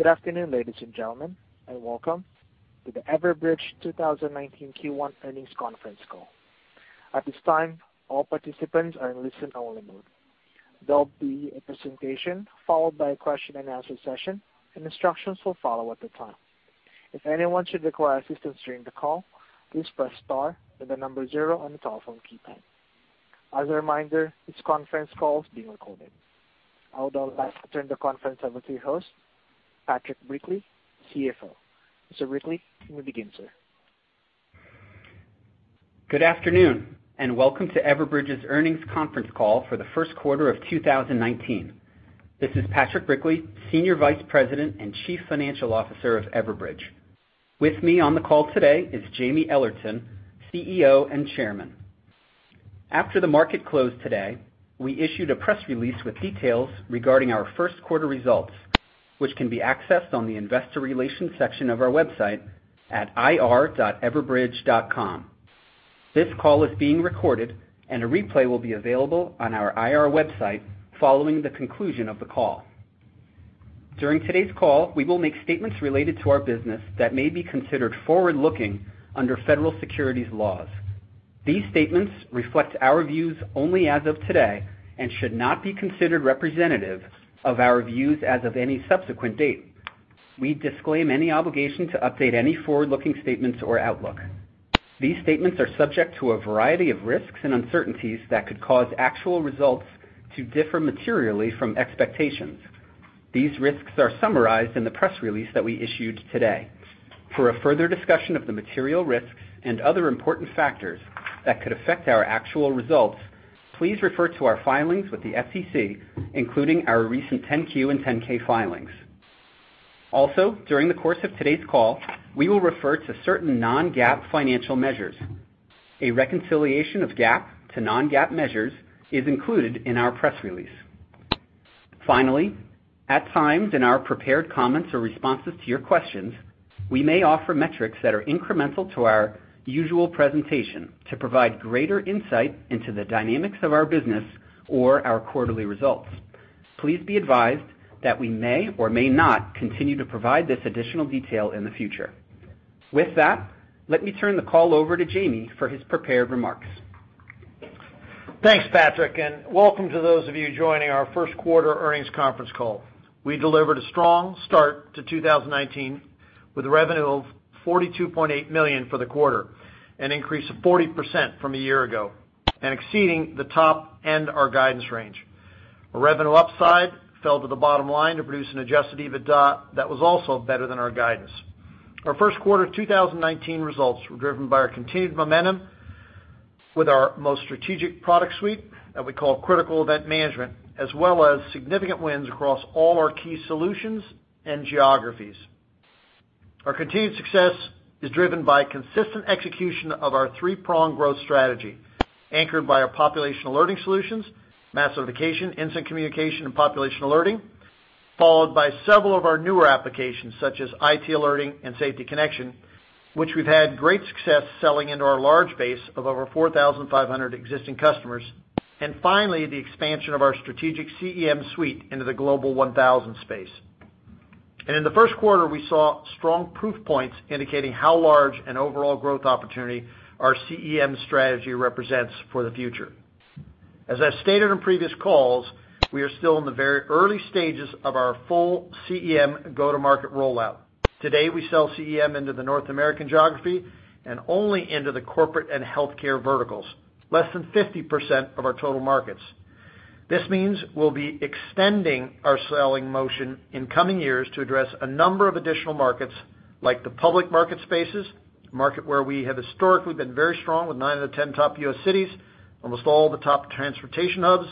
Good afternoon, ladies and gentlemen, and welcome to the Everbridge 2019 Q1 Earnings Conference Call. At this time, all participants are in listen-only mode. There'll be a presentation followed by a question and answer session, and instructions will follow at the time. If anyone should require assistance during the call, please press star, then the number zero on the telephone keypad. As a reminder, this conference call is being recorded. I would now like to turn the conference over to your host, Patrick Brickley, CFO. Mr. Brickley, you may begin, sir. Good afternoon, and welcome to Everbridge's earnings conference call for the first quarter of 2019. This is Patrick Brickley, Senior Vice President and Chief Financial Officer of Everbridge. With me on the call today is Jaime Ellertson, CEO and Chairman. After the market closed today, we issued a press release with details regarding our first quarter results, which can be accessed on the investor relations section of our website at ir.everbridge.com. This call is being recorded, and a replay will be available on our IR website following the conclusion of the call. During today's call, we will make statements related to our business that may be considered forward-looking under Federal Securities laws. These statements reflect our views only as of today and should not be considered representative of our views as of any subsequent date. We disclaim any obligation to update any forward-looking statements or outlook. These statements are subject to a variety of risks and uncertainties that could cause actual results to differ materially from expectations. These risks are summarized in the press release that we issued today. For a further discussion of the material risks and other important factors that could affect our actual results, please refer to our filings with the SEC, including our recent 10-Q and 10-K filings. Also, during the course of today's call, we will refer to certain non-GAAP financial measures. A reconciliation of GAAP to non-GAAP measures is included in our press release. Finally, at times in our prepared comments or responses to your questions, we may offer metrics that are incremental to our usual presentation to provide greater insight into the dynamics of our business or our quarterly results. Please be advised that we may or may not continue to provide this additional detail in the future. With that, let me turn the call over to Jaime for his prepared remarks. Thanks, Patrick, and welcome to those of you joining our first quarter earnings conference call. We delivered a strong start to 2019 with revenue of $42.8 million for the quarter, an increase of 40% from a year ago, and exceeding the top end our guidance range. Our revenue upside fell to the bottom line to produce an adjusted EBITDA that was also better than our guidance. Our first quarter 2019 results were driven by our continued momentum with our most strategic product suite that we call Critical Event Management, as well as significant wins across all our key solutions and geographies. Our continued success is driven by consistent execution of our three-pronged growth strategy, anchored by our population alerting solutions, Mass Notification, Incident Communications, and population alerting, followed by several of our newer applications such as IT Alerting and Safety Connection, which we've had great success selling into our large base of over 4,500 existing customers. Finally, the expansion of our strategic CEM suite into the Global 1000 space. In the first quarter, we saw strong proof points indicating how large an overall growth opportunity our CEM strategy represents for the future. As I stated on previous calls, we are still in the very early stages of our full CEM go-to-market rollout. Today, we sell CEM into the North American geography and only into the corporate and healthcare verticals, less than 50% of our total markets. This means we'll be extending our selling motion in coming years to address a number of additional markets, like the public market spaces, a market where we have historically been very strong with nine of the 10 top U.S. cities, almost all the top transportation hubs,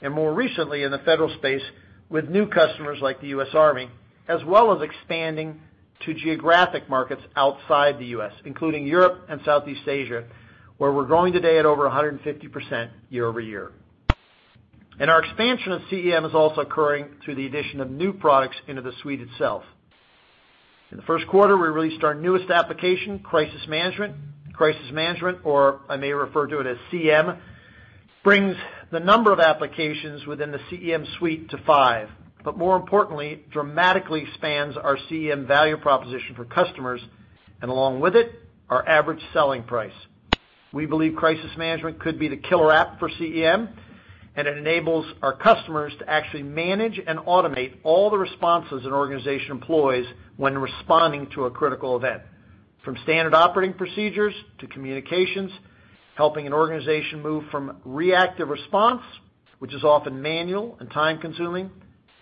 and more recently in the federal space with new customers like the US Army, as well as expanding to geographic markets outside the U.S., including Europe and Southeast Asia, where we're growing today at over 150% year-over-year. Our expansion of CEM is also occurring through the addition of new products into the suite itself. In the first quarter, we released our newest application, Crisis Management. Crisis Management, or I may refer to it as CM, brings the number of applications within the CEM suite to five, but more importantly, dramatically expands our CEM value proposition for customers and along with it, our average selling price. We believe Crisis Management could be the killer app for CEM. It enables our customers to actually manage and automate all the responses an organization employs when responding to a critical event, from standard operating procedures to communications, helping an organization move from reactive response, which is often manual and time-consuming,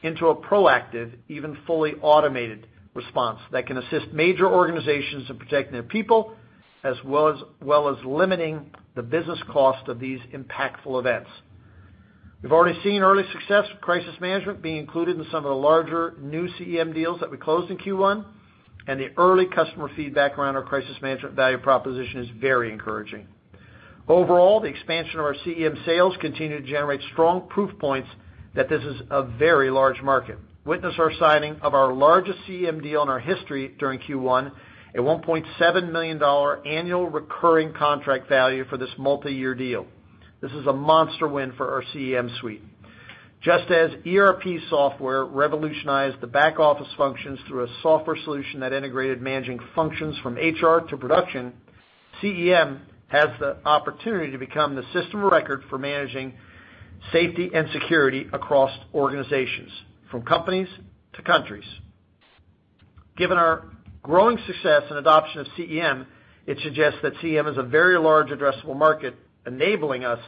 into a proactive, even fully automated response that can assist major organizations in protecting their people, as well as limiting the business cost of these impactful events. We've already seen early success with Crisis Management being included in some of the larger new CEM deals that we closed in Q1, and the early customer feedback around our Crisis Management value proposition is very encouraging. Overall, the expansion of our CEM sales continue to generate strong proof points that this is a very large market. Witness our signing of our largest CEM deal in our history during Q1, a $1.7 million annual recurring contract value for this multi-year deal. This is a monster win for our CEM suite. Just as ERP software revolutionized the back-office functions through a software solution that integrated managing functions from HR to production, CEM has the opportunity to become the system of record for managing safety and security across organizations, from companies to countries. Given our growing success and adoption of CEM, it suggests that CEM is a very large addressable market, enabling us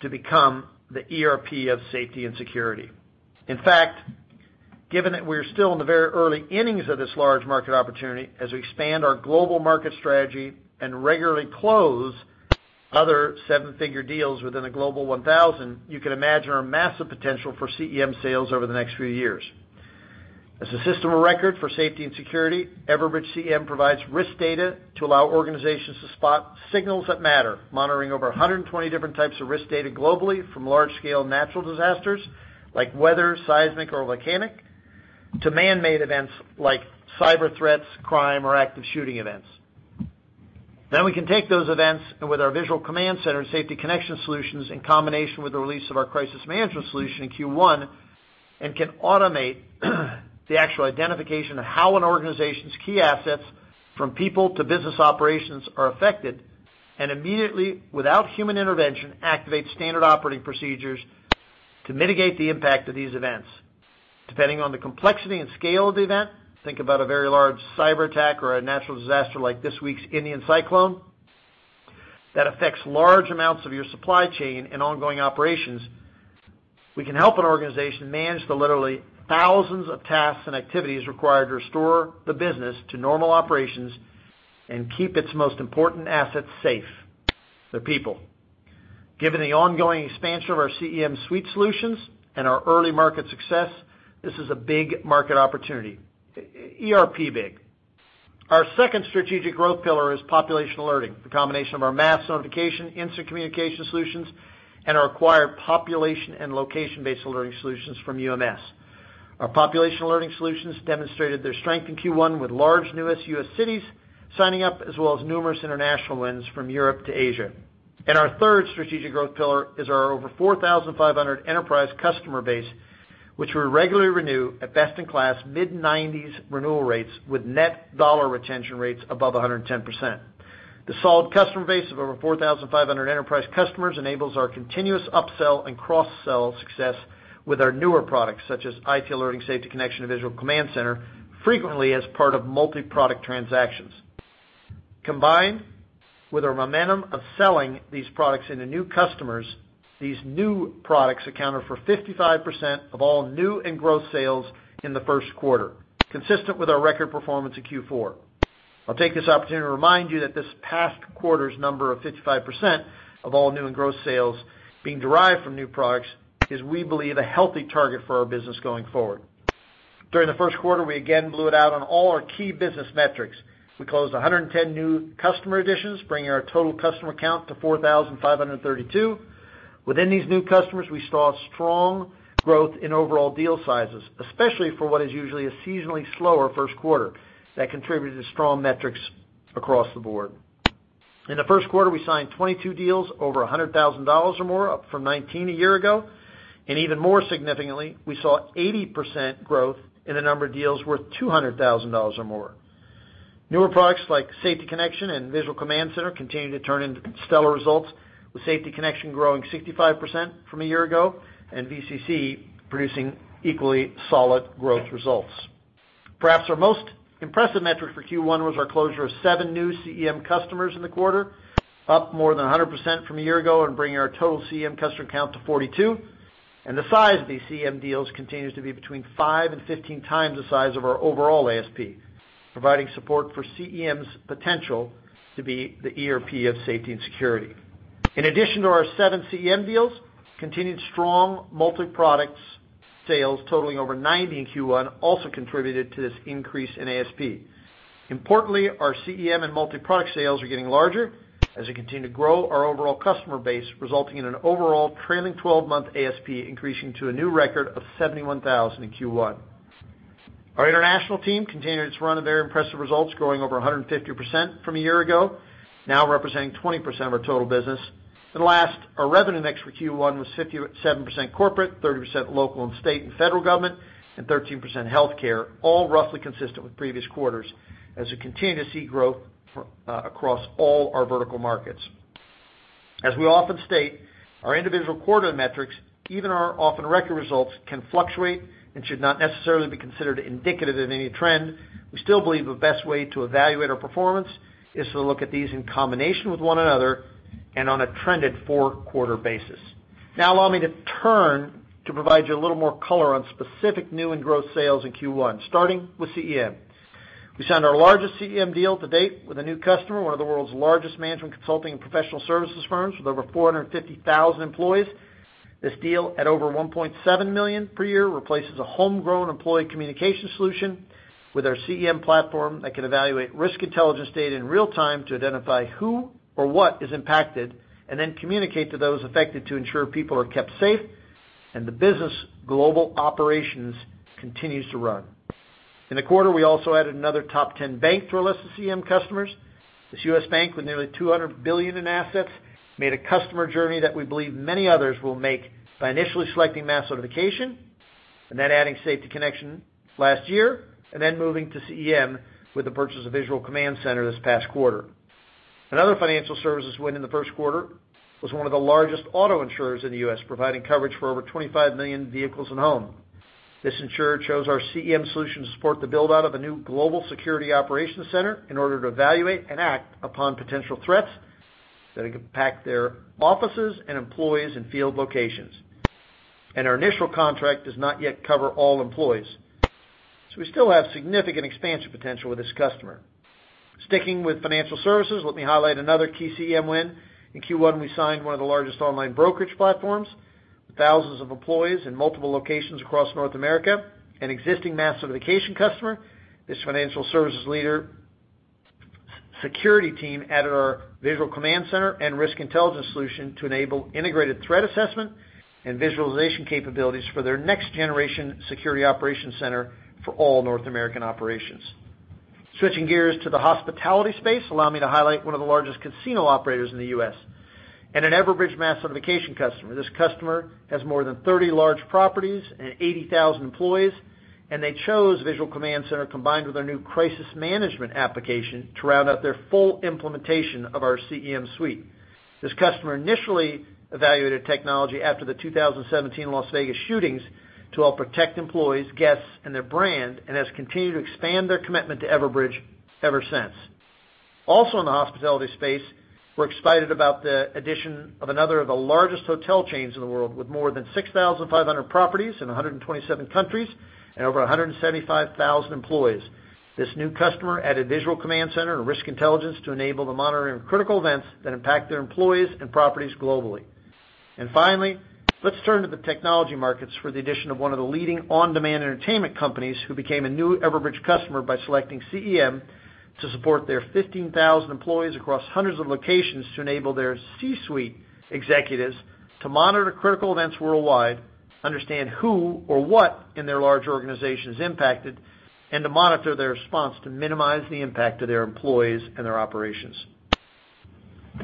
to become the ERP of safety and security. In fact, given that we're still in the very early innings of this large market opportunity, as we expand our global market strategy and regularly close other seven-figure deals within the Global 1000, you can imagine our massive potential for CEM sales over the next few years. As a system of record for safety and security, Everbridge CEM provides risk data to allow organizations to spot signals that matter, monitoring over 120 different types of risk data globally, from large-scale natural disasters like weather, seismic, or volcanic, to man-made events like cyber threats, crime, or active shooting events. We can take those events, and with our Visual Command Center and Safety Connection solutions, in combination with the release of our Crisis Management solution in Q1, and can automate the actual identification of how an organization's key assets from people to business operations are affected, and immediately, without human intervention, activate standard operating procedures to mitigate the impact of these events. Depending on the complexity and scale of the event, think about a very large cyber attack or a natural disaster like this week's Indian cyclone, that affects large amounts of your supply chain and ongoing operations. We can help an organization manage the literally thousands of tasks and activities required to restore the business to normal operations and keep its most important assets safe, the people. Given the ongoing expansion of our CEM suite solutions and our early market success, this is a big market opportunity, ERP big. Our second strategic growth pillar is population alerting, the combination of our Mass Notification, Incident Communications solutions, and our acquired population- and location-based alerting solutions from UMS. Our population alerting solutions demonstrated their strength in Q1 with large newest U.S. cities signing up, as well as numerous international wins from Europe to Asia. Our third strategic growth pillar is our over 4,500 enterprise customer base, which we regularly renew at best-in-class mid-90s renewal rates with net dollar retention rates above 110%. The solid customer base of over 4,500 enterprise customers enables our continuous upsell and cross-sell success with our newer products, such as IT Alerting, Safety Connection, and Visual Command Center, frequently as part of multi-product transactions. Combined with our momentum of selling these products into new customers, these new products accounted for 55% of all new and growth sales in the first quarter, consistent with our record performance in Q4. I'll take this opportunity to remind you that this past quarter's number of 55% of all new and growth sales being derived from new products is, we believe, a healthy target for our business going forward. During the first quarter, we again blew it out on all our key business metrics. We closed 110 new customer additions, bringing our total customer count to 4,532. Within these new customers, we saw strong growth in overall deal sizes, especially for what is usually a seasonally slower first quarter. That contributed to strong metrics across the board. In the first quarter, we signed 22 deals over $100,000 or more, up from 19 a year ago, and even more significantly, we saw 80% growth in the number of deals worth $200,000 or more. Newer products like Safety Connection and Visual Command Center continue to turn in stellar results, with Safety Connection growing 65% from a year ago, VCC producing equally solid growth results. Perhaps our most impressive metric for Q1 was our closure of seven new CEM customers in the quarter, up more than 100% from a year ago and bringing our total CEM customer count to 42. The size of these CEM deals continues to be between 5 and 15 times the size of our overall ASP, providing support for CEM's potential to be the ERP of safety and security. In addition to our seven CEM deals, continued strong multi-products sales totaling over 90 in Q1 also contributed to this increase in ASP. Importantly, our CEM and multi-product sales are getting larger as we continue to grow our overall customer base, resulting in an overall trailing 12-month ASP increasing to a new record of $71,000 in Q1. Our international team continued its run of very impressive results, growing over 150% from a year ago, now representing 20% of our total business. Last, our revenue mix for Q1 was 57% corporate, 30% local and state and federal government, and 13% healthcare, all roughly consistent with previous quarters as we continue to see growth across all our vertical markets. As we often state, our individual quarter metrics, even our often-record results, can fluctuate and should not necessarily be considered indicative of any trend. We still believe the best way to evaluate our performance is to look at these in combination with one another and on a trended four-quarter basis. Now allow me to turn to provide you a little more color on specific new and growth sales in Q1, starting with CEM. We signed our largest CEM deal to date with a new customer, one of the world's largest management consulting and professional services firms with over 450,000 employees. This deal, at over $1.7 million per year, replaces a homegrown employee communication solution with our CEM platform that can evaluate Risk Intelligence data in real time to identify who or what is impacted, and then communicate to those affected to ensure people are kept safe and the business global operations continues to run. In the quarter, we also added another top 10 bank to our list of CEM customers. This U.S. bank with nearly $200 billion in assets made a customer journey that we believe many others will make by initially selecting Mass Notification and then adding Safety Connection last year, then moving to CEM with the purchase of Visual Command Center this past quarter. Another financial services win in the first quarter was one of the largest auto insurers in the U.S., providing coverage for over 25 million vehicles and home. This insurer chose our CEM solution to support the build-out of a new global security operations center in order to evaluate and act upon potential threats that impact their offices and employees in field locations. Our initial contract does not yet cover all employees. We still have significant expansion potential with this customer. Sticking with financial services, let me highlight another key CEM win. In Q1, we signed one of the largest online brokerage platforms with thousands of employees in multiple locations across North America, an existing Mass Notification customer. This financial services leader security team added our Visual Command Center and Risk Intelligence solution to enable integrated threat assessment and visualization capabilities for their next-generation security operations center for all North American operations. Switching gears to the hospitality space, allow me to highlight one of the largest casino operators in the U.S. and an Everbridge Mass Notification customer. This customer has more than 30 large properties and 80,000 employees, and they chose Visual Command Center combined with our new Crisis Management application to round out their full implementation of our CEM suite. This customer initially evaluated technology after the 2017 Las Vegas shootings to help protect employees, guests, and their brand and has continued to expand their commitment to Everbridge ever since. Also, in the hospitality space, we're excited about the addition of another of the largest hotel chains in the world with more than 6,500 properties in 127 countries and over 175,000 employees. This new customer added Visual Command Center and Risk Intelligence to enable the monitoring of critical events that impact their employees and properties globally. Finally, let's turn to the technology markets for the addition of one of the leading on-demand entertainment companies who became a new Everbridge customer by selecting CEM to support their 15,000 employees across hundreds of locations to enable their C-suite executives to monitor critical events worldwide, understand who or what in their large organization is impacted, and to monitor their response to minimize the impact to their employees and their operations.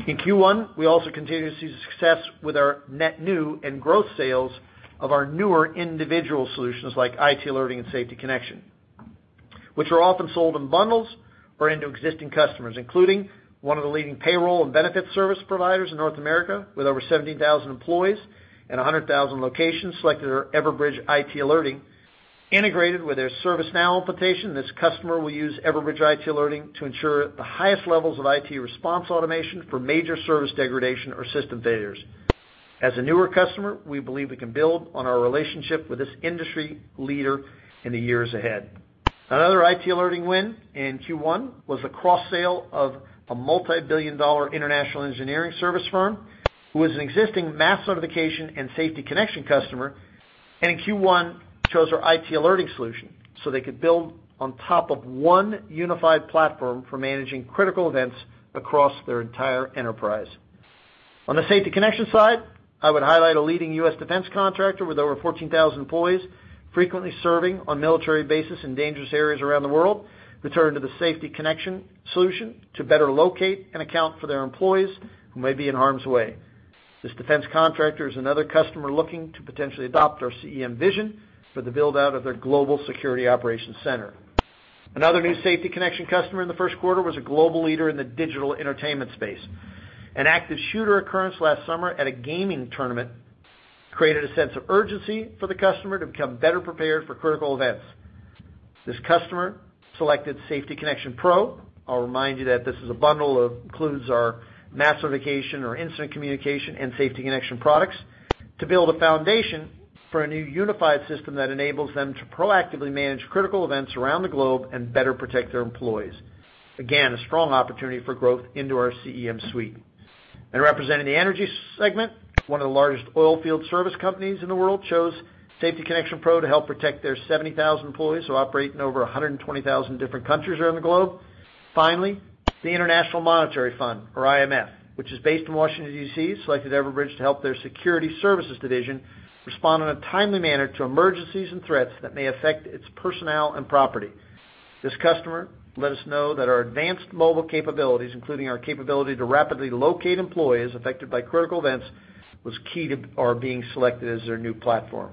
In Q1, we also continue to see success with our net new and growth sales of our newer individual solutions like IT Alerting and Safety Connection, which are often sold in bundles or into existing customers, including one of the leading payroll and benefit service providers in North America with over 17,000 employees and 100,000 locations selected our Everbridge IT Alerting integrated with their ServiceNow implementation. This customer will use Everbridge IT Alerting to ensure the highest levels of IT response automation for major service degradation or system failures. As a newer customer, we believe we can build on our relationship with this industry leader in the years ahead. Another IT Alerting win in Q1 was a cross-sale of a multi-billion-dollar international engineering service firm who is an existing Mass Notification and Safety Connection customer, and in Q1 chose our IT Alerting solution, so they could build on top of one unified platform for managing critical events across their entire enterprise. On the Safety Connection side, I would highlight a leading U.S. defense contractor with over 14,000 employees frequently serving on military bases in dangerous areas around the world who turned to the Safety Connection solution to better locate and account for their employees who may be in harm's way. This defense contractor is another customer looking to potentially adopt our CEM vision for the build-out of their global security operations center. Another new Safety Connection customer in the first quarter was a global leader in the digital entertainment space. An active shooter occurrence last summer at a gaming tournament created a sense of urgency for the customer to become better prepared for critical events. This customer selected Safety Connection Pro. I'll remind you that this is a bundle that includes our Mass Notification or Incident Communication and Safety Connection products to build a foundation for a new unified system that enables them to proactively manage critical events around the globe and better protect their employees. A strong opportunity for growth into our CEM suite. Representing the energy segment, one of the largest oil field service companies in the world chose Safety Connection Pro to help protect their 70,000 employees who operate in over 120,000 different countries around the globe. Finally, the International Monetary Fund, or IMF, which is based in Washington, D.C., selected Everbridge to help their security services division respond in a timely manner to emergencies and threats that may affect its personnel and property. This customer let us know that our advanced mobile capabilities, including our capability to rapidly locate employees affected by critical events, was key to our being selected as their new platform.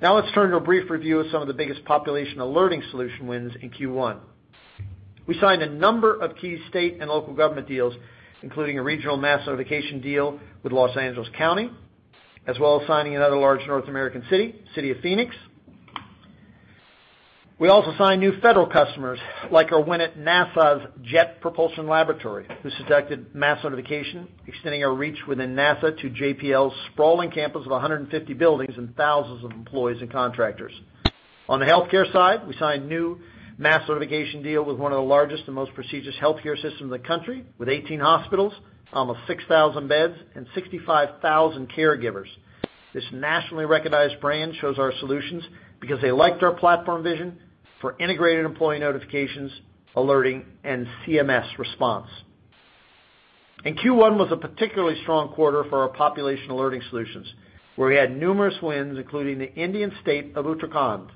Now let's turn to a brief review of some of the biggest population alerting solution wins in Q1. We signed a number of key state and local government deals, including a regional Mass Notification deal with Los Angeles County, as well as signing another large North American city, City of Phoenix. We also signed new federal customers like our win at NASA's Jet Propulsion Laboratory, who selected Mass Notification, extending our reach within NASA to JPL's sprawling campus of 150 buildings and thousands of employees and contractors. On the healthcare side, we signed new Mass Notification deal with one of the largest and most prestigious healthcare systems in the country with 18 hospitals, almost 6,000 beds, and 65,000 caregivers. This nationally recognized brand chose our solutions because they liked our platform vision for integrated employee notifications, alerting, and CMS response. Q1 was a particularly strong quarter for our population alerting solutions, where we had numerous wins, including the Indian state of Uttarakhand,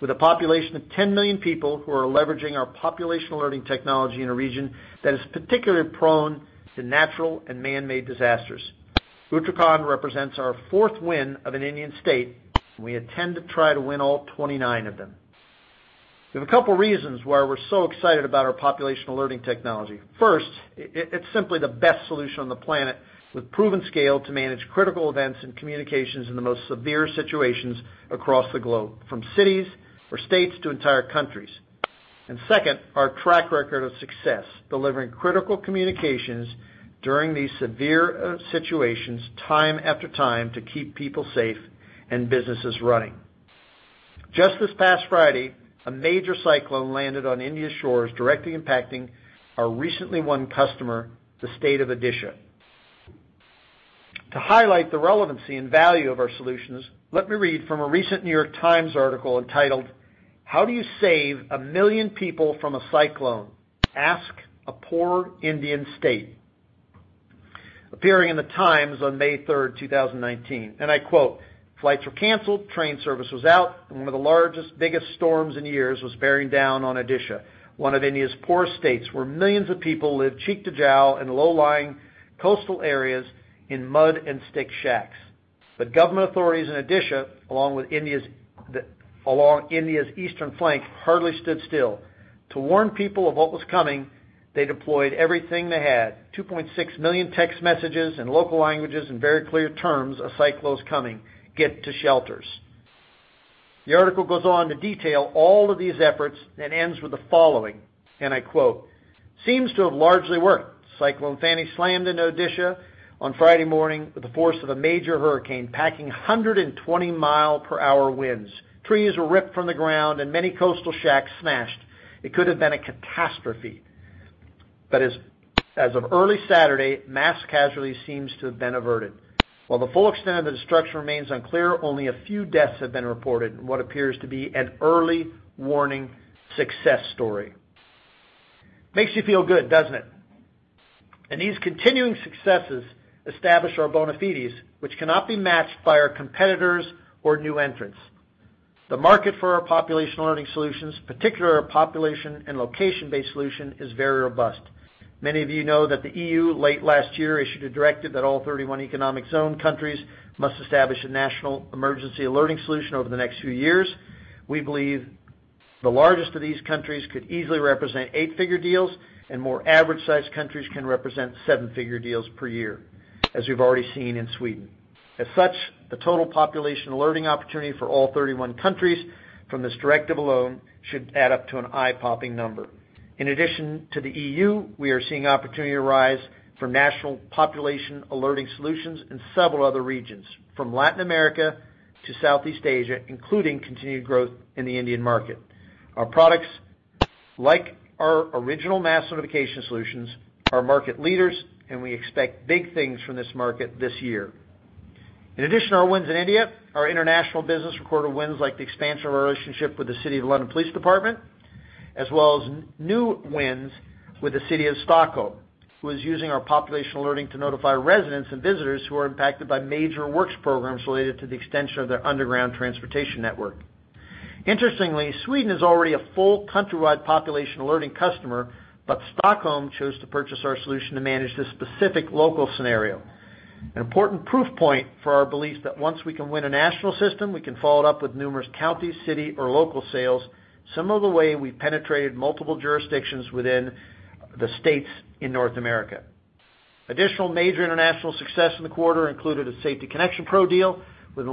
with a population of 10 million people who are leveraging our population alerting technology in a region that is particularly prone to natural and man-made disasters. Uttarakhand represents our fourth win of an Indian state. We intend to try to win all 29 of them. There's a couple of reasons why we're so excited about our population alerting technology. First, it's simply the best solution on the planet, with proven scale to manage Critical Event Management and communications in the most severe situations across the globe, from cities or states to entire countries. Second, our track record of success, delivering critical communications during these severe situations time after time to keep people safe and businesses running. Just this past Friday, a major cyclone landed on India's shores, directly impacting our recently won customer, the state of Odisha. To highlight the relevancy and value of our solutions, let me read from a recent "New York Times" article entitled, "How Do You Save 1 million People from a Cyclone? Ask a Poor Indian State," appearing in "The Times" on May 3rd, 2019. I quote, "Flights were canceled, train service was out, and one of the largest, biggest storms in years was bearing down on Odisha, one of India's poorest states, where millions of people live cheek-to-jowl in low-lying coastal areas in mud and stick shacks. Government authorities in Odisha, along India's eastern flank, hardly stood still. To warn people of what was coming, they deployed everything they had. 2.6 million text messages in local languages, in very clear terms, 'A cyclone's coming. Get to shelters.'" The article goes on to detail all of these efforts and ends with the following. I quote, "Seems to have largely worked. Cyclone Fani slammed into Odisha on Friday morning with the force of a major hurricane, packing 120 mile per hour winds. Trees were ripped from the ground and many coastal shacks smashed. It could have been a catastrophe. As of early Saturday, mass casualties seems to have been averted. While the full extent of the destruction remains unclear, only a few deaths have been reported in what appears to be an early warning success story." Makes you feel good, doesn't it? These continuing successes establish our bona fides, which cannot be matched by our competitors or new entrants. The market for our population alerting solutions, particularly our population and location-based solution, is very robust. Many of you know that the EU, late last year, issued a directive that all 31 economic zone countries must establish a national emergency alerting solution over the next few years. We believe the largest of these countries could easily represent eight-figure deals, and more average-sized countries can represent seven-figure deals per year, as we've already seen in Sweden. As such, the total population alerting opportunity for all 31 countries from this directive alone should add up to an eye-popping number. In addition to the EU, we are seeing opportunity arise for national population alerting solutions in several other regions, from Latin America to Southeast Asia, including continued growth in the Indian market. Our products, like our original Mass Notification solutions, are market leaders. We expect big things from this market this year. In addition to our wins in India, our international business recorded wins like the expansion of our relationship with the City of London Police Department, as well as new wins with the City of Stockholm, who is using our population alerting to notify residents and visitors who are impacted by major works programs related to the extension of their underground transportation network. Interestingly, Sweden is already a full countrywide population alerting customer, but Stockholm chose to purchase our solution to manage this specific local scenario. An important proof point for our belief that once we can win a national system, we can follow it up with numerous county, city, or local sales, similar the way we penetrated multiple jurisdictions within the states in North America. Additional major international success in the quarter included a Safety Connection Pro deal with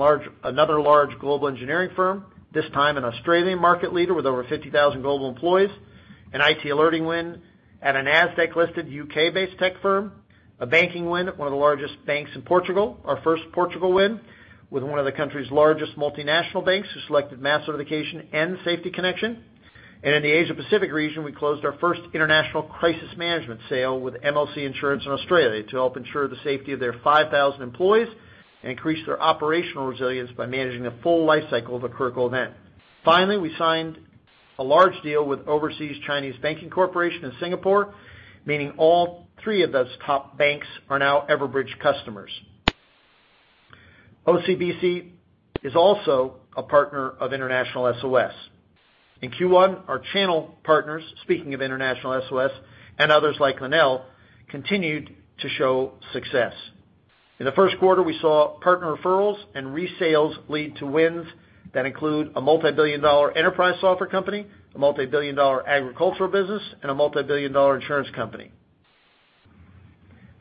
another large global engineering firm, this time an Australian market leader with over 50,000 global employees. An IT Alerting win at a NASDAQ-listed U.K.-based tech firm. A banking win at one of the largest banks in Portugal, our first Portugal win, with one of the country's largest multinational banks, who selected Mass Notification and Safety Connection. In the Asia-Pacific region, we closed our first international Crisis Management sale with MLC Insurance in Australia to help ensure the safety of their 5,000 employees and increase their operational resilience by managing the full life cycle of a critical event. Finally, we signed a large deal with Oversea-Chinese Banking Corporation in Singapore, meaning all three of those top banks are now Everbridge customers. OCBC is also a partner of International SOS. In Q1, our channel partners, speaking of International SOS, and others like Lenel, continued to show success. In the first quarter, we saw partner referrals and resales lead to wins that include a multi-billion dollar enterprise software company, a multi-billion dollar agricultural business, and a multi-billion dollar insurance company.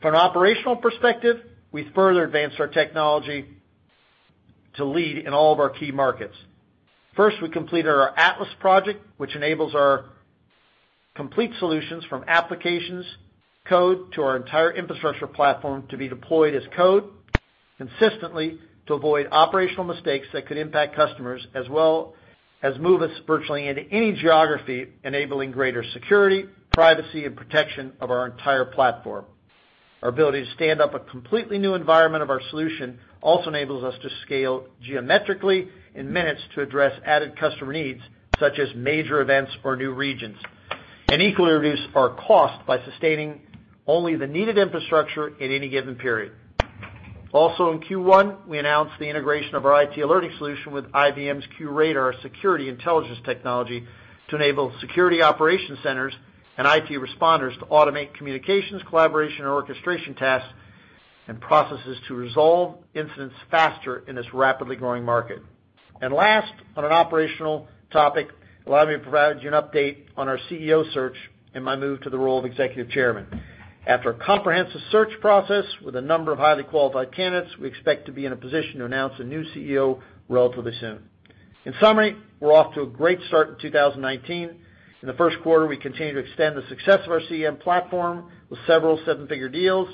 From an operational perspective, we further advanced our technology to lead in all of our key markets. First, we completed our Atlas project, which enables our complete solutions from applications, code, to our entire infrastructure platform to be deployed as code consistently to avoid operational mistakes that could impact customers, as well as move us virtually into any geography, enabling greater security, privacy, and protection of our entire platform. Our ability to stand up a completely new environment of our solution also enables us to scale geometrically in minutes to address added customer needs, such as major events or new regions, and equally reduce our cost by sustaining only the needed infrastructure in any given period. Also in Q1, we announced the integration of our IT Alerting solution with IBM's QRadar security intelligence technology to enable security operation centers and IT responders to automate communications, collaboration, and orchestration tasks, and processes to resolve incidents faster in this rapidly growing market. Last, on an operational topic, allow me to provide you an update on our CEO search and my move to the role of Executive Chairman. After a comprehensive search process with a number of highly qualified candidates, we expect to be in a position to announce a new CEO relatively soon. In summary, we're off to a great start in 2019. In the first quarter, we continued to extend the success of our CEM platform with several seven-figure deals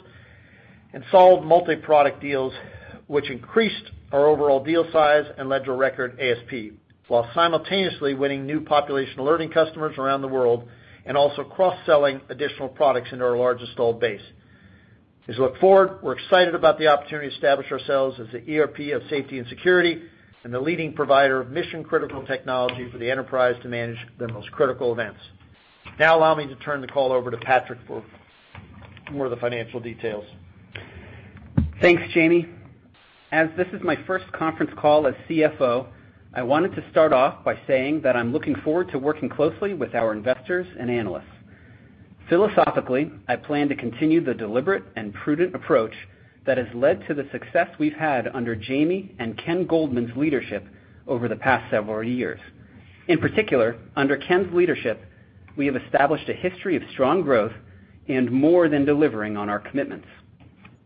and sold multi-product deals, which increased our overall deal size and led to record ASP, while simultaneously winning new population alerting customers around the world, and also cross-selling additional products into our largest installed base. As we look forward, we're excited about the opportunity to establish ourselves as the ERP of safety and security and the leading provider of mission-critical technology for the enterprise to manage the most critical events. Allow me to turn the call over to Patrick for more of the financial details. Thanks, Jaime. As this is my first conference call as CFO, I wanted to start off by saying that I'm looking forward to working closely with our investors and analysts. Philosophically, I plan to continue the deliberate and prudent approach that has led to the success we've had under Jaime and Ken Goldman's leadership over the past several years. In particular, under Ken's leadership, we have established a history of strong growth and more than delivering on our commitments.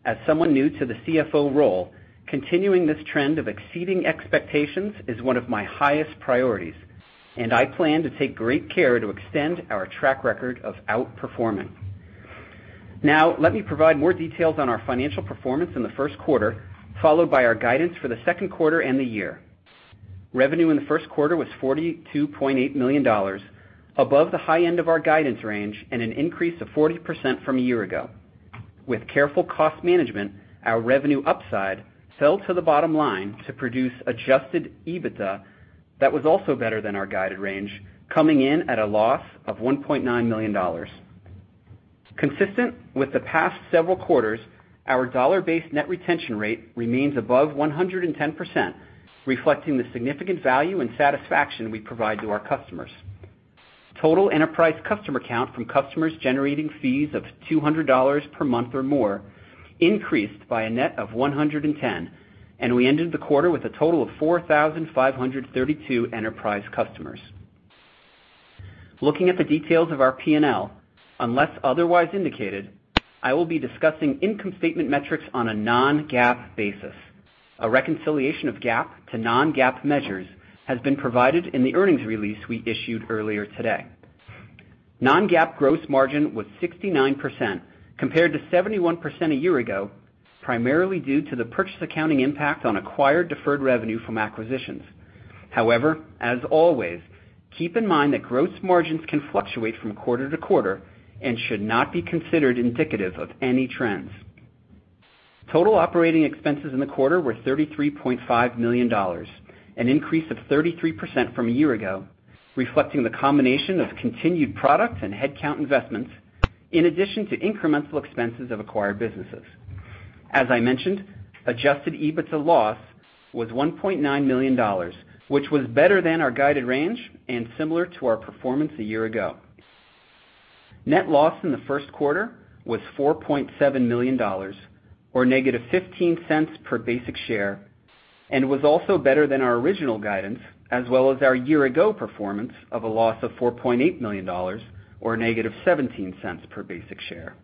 As someone new to the CFO role, continuing this trend of exceeding expectations is one of my highest priorities, and I plan to take great care to extend our track record of outperforming. Let me provide more details on our financial performance in the first quarter, followed by our guidance for the second quarter and the year. Revenue in the first quarter was $42.8 million, above the high end of our guidance range and an increase of 40% from a year ago. With careful cost management, our revenue upside fell to the bottom line to produce adjusted EBITDA that was also better than our guided range, coming in at a loss of $1.9 million. Consistent with the past several quarters, our dollar-based net retention rate remains above 110%, reflecting the significant value and satisfaction we provide to our customers. Total enterprise customer count from customers generating fees of $200 per month or more increased by a net of 110, and we ended the quarter with a total of 4,532 enterprise customers. Looking at the details of our P&L, unless otherwise indicated, I will be discussing income statement metrics on a non-GAAP basis. A reconciliation of GAAP to non-GAAP measures has been provided in the earnings release we issued earlier today. Non-GAAP gross margin was 69%, compared to 71% a year ago, primarily due to the purchase accounting impact on acquired deferred revenue from acquisitions. As always, keep in mind that gross margins can fluctuate from quarter to quarter and should not be considered indicative of any trends. Total operating expenses in the quarter were $33.5 million, an increase of 33% from a year ago, reflecting the combination of continued product and headcount investments, in addition to incremental expenses of acquired businesses. As I mentioned, adjusted EBITDA loss was $1.9 million, which was better than our guided range and similar to our performance a year ago. Net loss in the first quarter was $4.7 million, or negative $0.15 per basic share, was also better than our original guidance, as well as our year-ago performance of a loss of $4.8 million or negative $0.17 per basic share.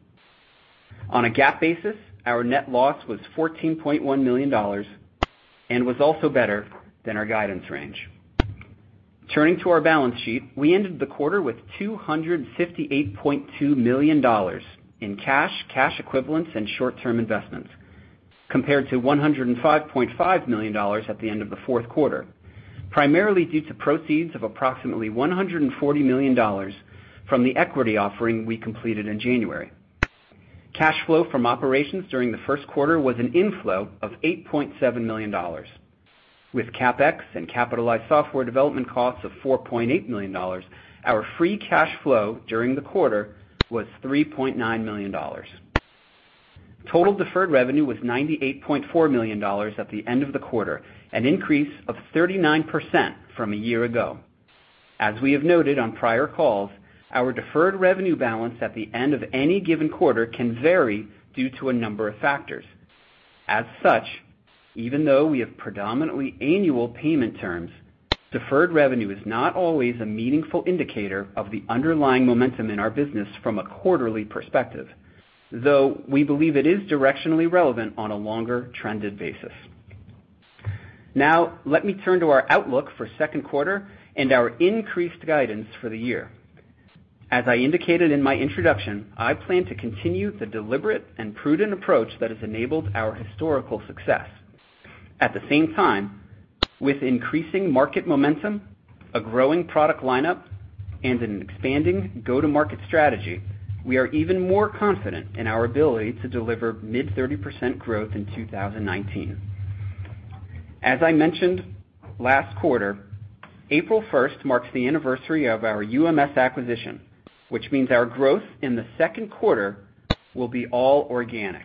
On a GAAP basis, our net loss was $14.1 million was also better than our guidance range. Turning to our balance sheet, we ended the quarter with $258.2 million in cash equivalents, and short-term investments, compared to $105.5 million at the end of the fourth quarter, primarily due to proceeds of approximately $140 million from the equity offering we completed in January. Cash flow from operations during the first quarter was an inflow of $8.7 million. With CapEx and capitalized software development costs of $4.8 million, our free cash flow during the quarter was $3.9 million. Total deferred revenue was $98.4 million at the end of the quarter, an increase of 39% from a year ago. As we have noted on prior calls, our deferred revenue balance at the end of any given quarter can vary due to a number of factors. As such, even though we have predominantly annual payment terms, deferred revenue is not always a meaningful indicator of the underlying momentum in our business from a quarterly perspective. We believe it is directionally relevant on a longer-trended basis. Let me turn to our outlook for second quarter and our increased guidance for the year. As I indicated in my introduction, I plan to continue the deliberate and prudent approach that has enabled our historical success. With increasing market momentum, a growing product lineup, and an expanding go-to-market strategy, we are even more confident in our ability to deliver mid-30% growth in 2019. As I mentioned last quarter, April 1st marks the anniversary of our UMS acquisition, which means our growth in the second quarter will be all organic.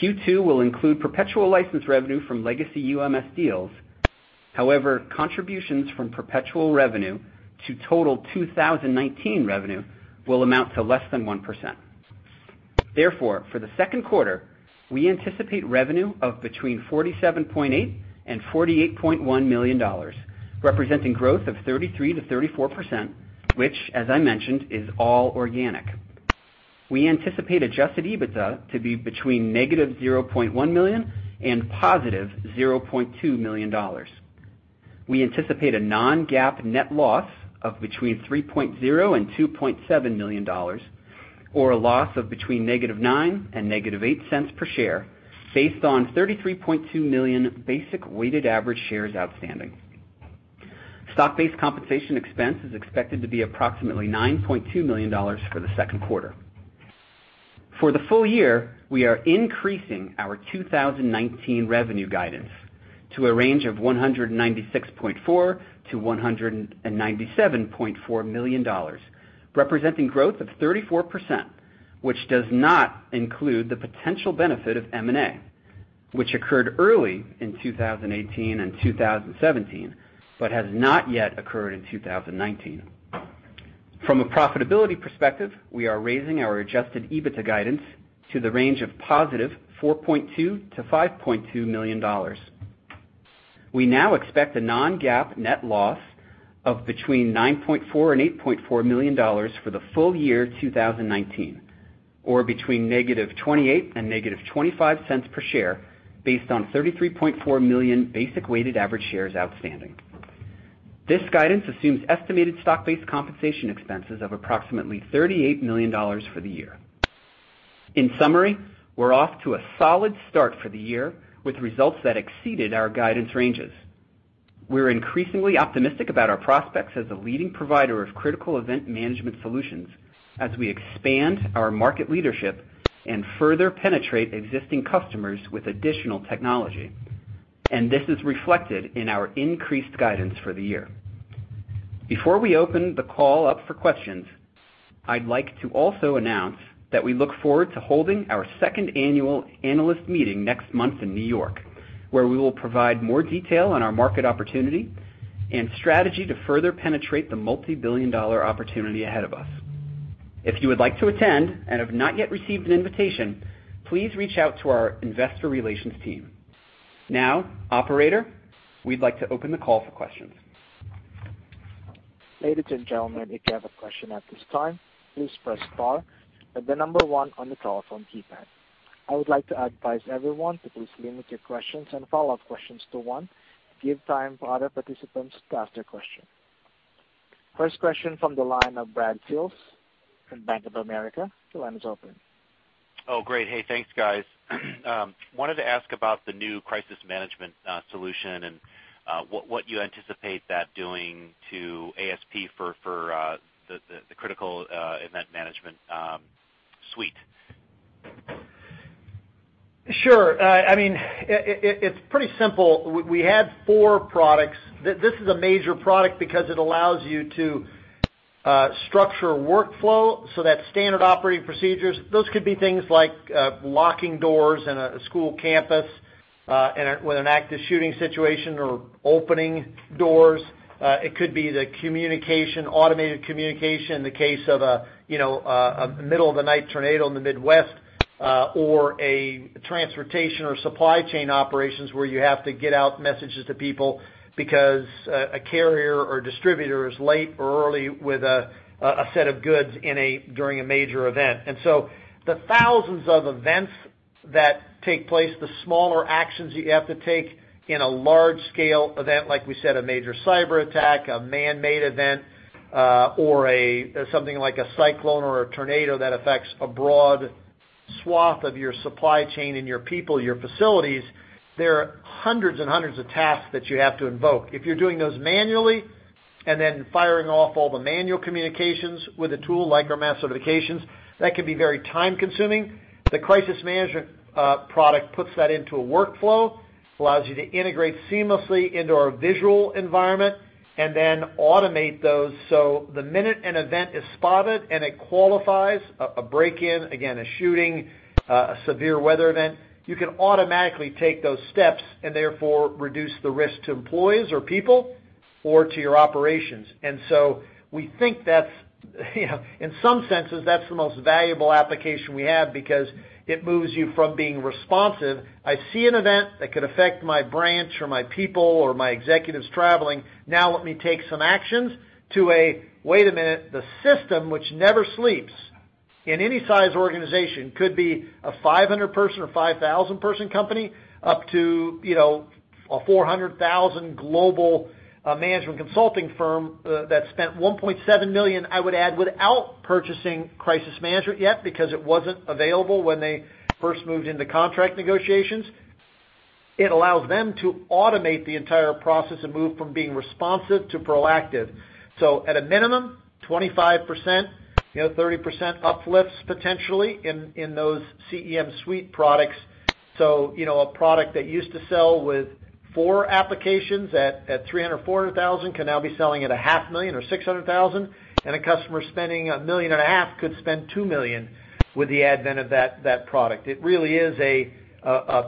Q2 will include perpetual license revenue from legacy UMS deals. Contributions from perpetual revenue to total 2019 revenue will amount to less than 1%. For the second quarter, we anticipate revenue of between $47.8 and $48.1 million, representing growth of 33%-34%, which, as I mentioned, is all organic. We anticipate adjusted EBITDA to be between negative $0.1 million and positive $0.2 million. We anticipate a non-GAAP net loss of between $3.0 and $2.7 million, or a loss of between negative $0.09 and negative $0.08 per share based on 33.2 million basic weighted average shares outstanding. Stock-based compensation expense is expected to be approximately $9.2 million for the second quarter. For the full year, we are increasing our 2019 revenue guidance to a range of $196.4 to $197.4 million, representing growth of 34%, which does not include the potential benefit of M&A, which occurred early in 2018 and 2017, but has not yet occurred in 2019. From a profitability perspective, we are raising our adjusted EBITDA guidance to the range of positive $4.2 to $5.2 million. We now expect a non-GAAP net loss of between $9.4 and $8.4 million for the full year 2019, or between negative $0.28 and negative $0.25 per share based on 33.4 million basic weighted average shares outstanding. This guidance assumes estimated stock-based compensation expenses of approximately $38 million for the year. In summary, we are off to a solid start for the year with results that exceeded our guidance ranges. We are increasingly optimistic about our prospects as a leading provider of Critical Event Management solutions as we expand our market leadership and further penetrate existing customers with additional technology, and this is reflected in our increased guidance for the year. Before we open the call up for questions, I would like to also announce that we look forward to holding our second annual analyst meeting next month in New York, where we will provide more detail on our market opportunity and strategy to further penetrate the multibillion-dollar opportunity ahead of us. If you would like to attend and have not yet received an invitation, please reach out to our investor relations team. Operator, we would like to open the call for questions. Ladies and gentlemen, if you have a question at this time, please press star, then the number one on the telephone keypad. I would like to advise everyone to please limit your questions and follow-up questions to one, give time for other participants to ask their question. First question from the line of Brad Sills from Bank of America. The line is open. Great. Thanks, guys. Wanted to ask about the new Crisis Management solution and what you anticipate that doing to ASP for the Critical Event Management suite. Sure. It's pretty simple. We had four products. This is a major product because it allows you to structure workflow so that standard operating procedures, those could be things like locking doors in a school campus with an active shooting situation or opening doors. It could be the communication, automated communication in the case of a middle-of-the-night tornado in the Midwest or a transportation or supply chain operations where you have to get out messages to people because a carrier or distributor is late or early with a set of goods during a major event. The thousands of events that take place, the smaller actions you have to take in a large-scale event, like we said, a major cyber attack, a man-made event, or something like a cyclone or a tornado that affects a broad swath of your supply chain and your people, your facilities, there are hundreds and hundreds of tasks that you have to invoke. If you're doing those manually and then firing off all the manual communications with a tool like our Mass Notification, that can be very time-consuming. The Crisis Management product puts that into a workflow, allows you to integrate seamlessly into our visual environment, and then automate those so the minute an event is spotted and it qualifies, a break-in, again, a shooting, a severe weather event, you can automatically take those steps and therefore reduce the risk to employees or people or to your operations. We think that's, in some senses, that's the most valuable application we have because it moves you from being responsive. I see an event that could affect my branch or my people or my executives traveling. Now let me take some actions to a, "Wait a minute," the system, which never sleeps in any size organization, could be a 500-person or 5,000-person company up to a 400,000 global management consulting firm that spent $1.7 million, I would add, without purchasing Crisis Management yet because it wasn't available when they first moved into contract negotiations. It allows them to automate the entire process and move from being responsive to proactive. At a minimum, 25%. 30% uplifts potentially in those CEM suite products. A product that used to sell with four applications at $300,000, $400,000 can now be selling at a half million or $600,000, and a customer spending a million and a half could spend $2 million with the advent of that product. It really is a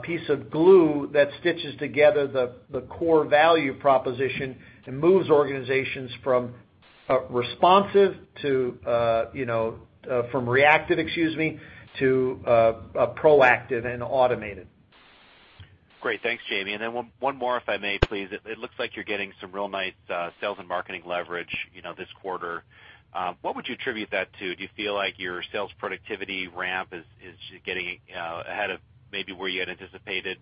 piece of glue that stitches together the core value proposition and moves organizations from reactive, excuse me, to proactive and automated. Great. Thanks, Jaime. One more if I may please. It looks like you're getting some real nice sales and marketing leverage this quarter. What would you attribute that to? Do you feel like your sales productivity ramp is getting ahead of maybe where you had anticipated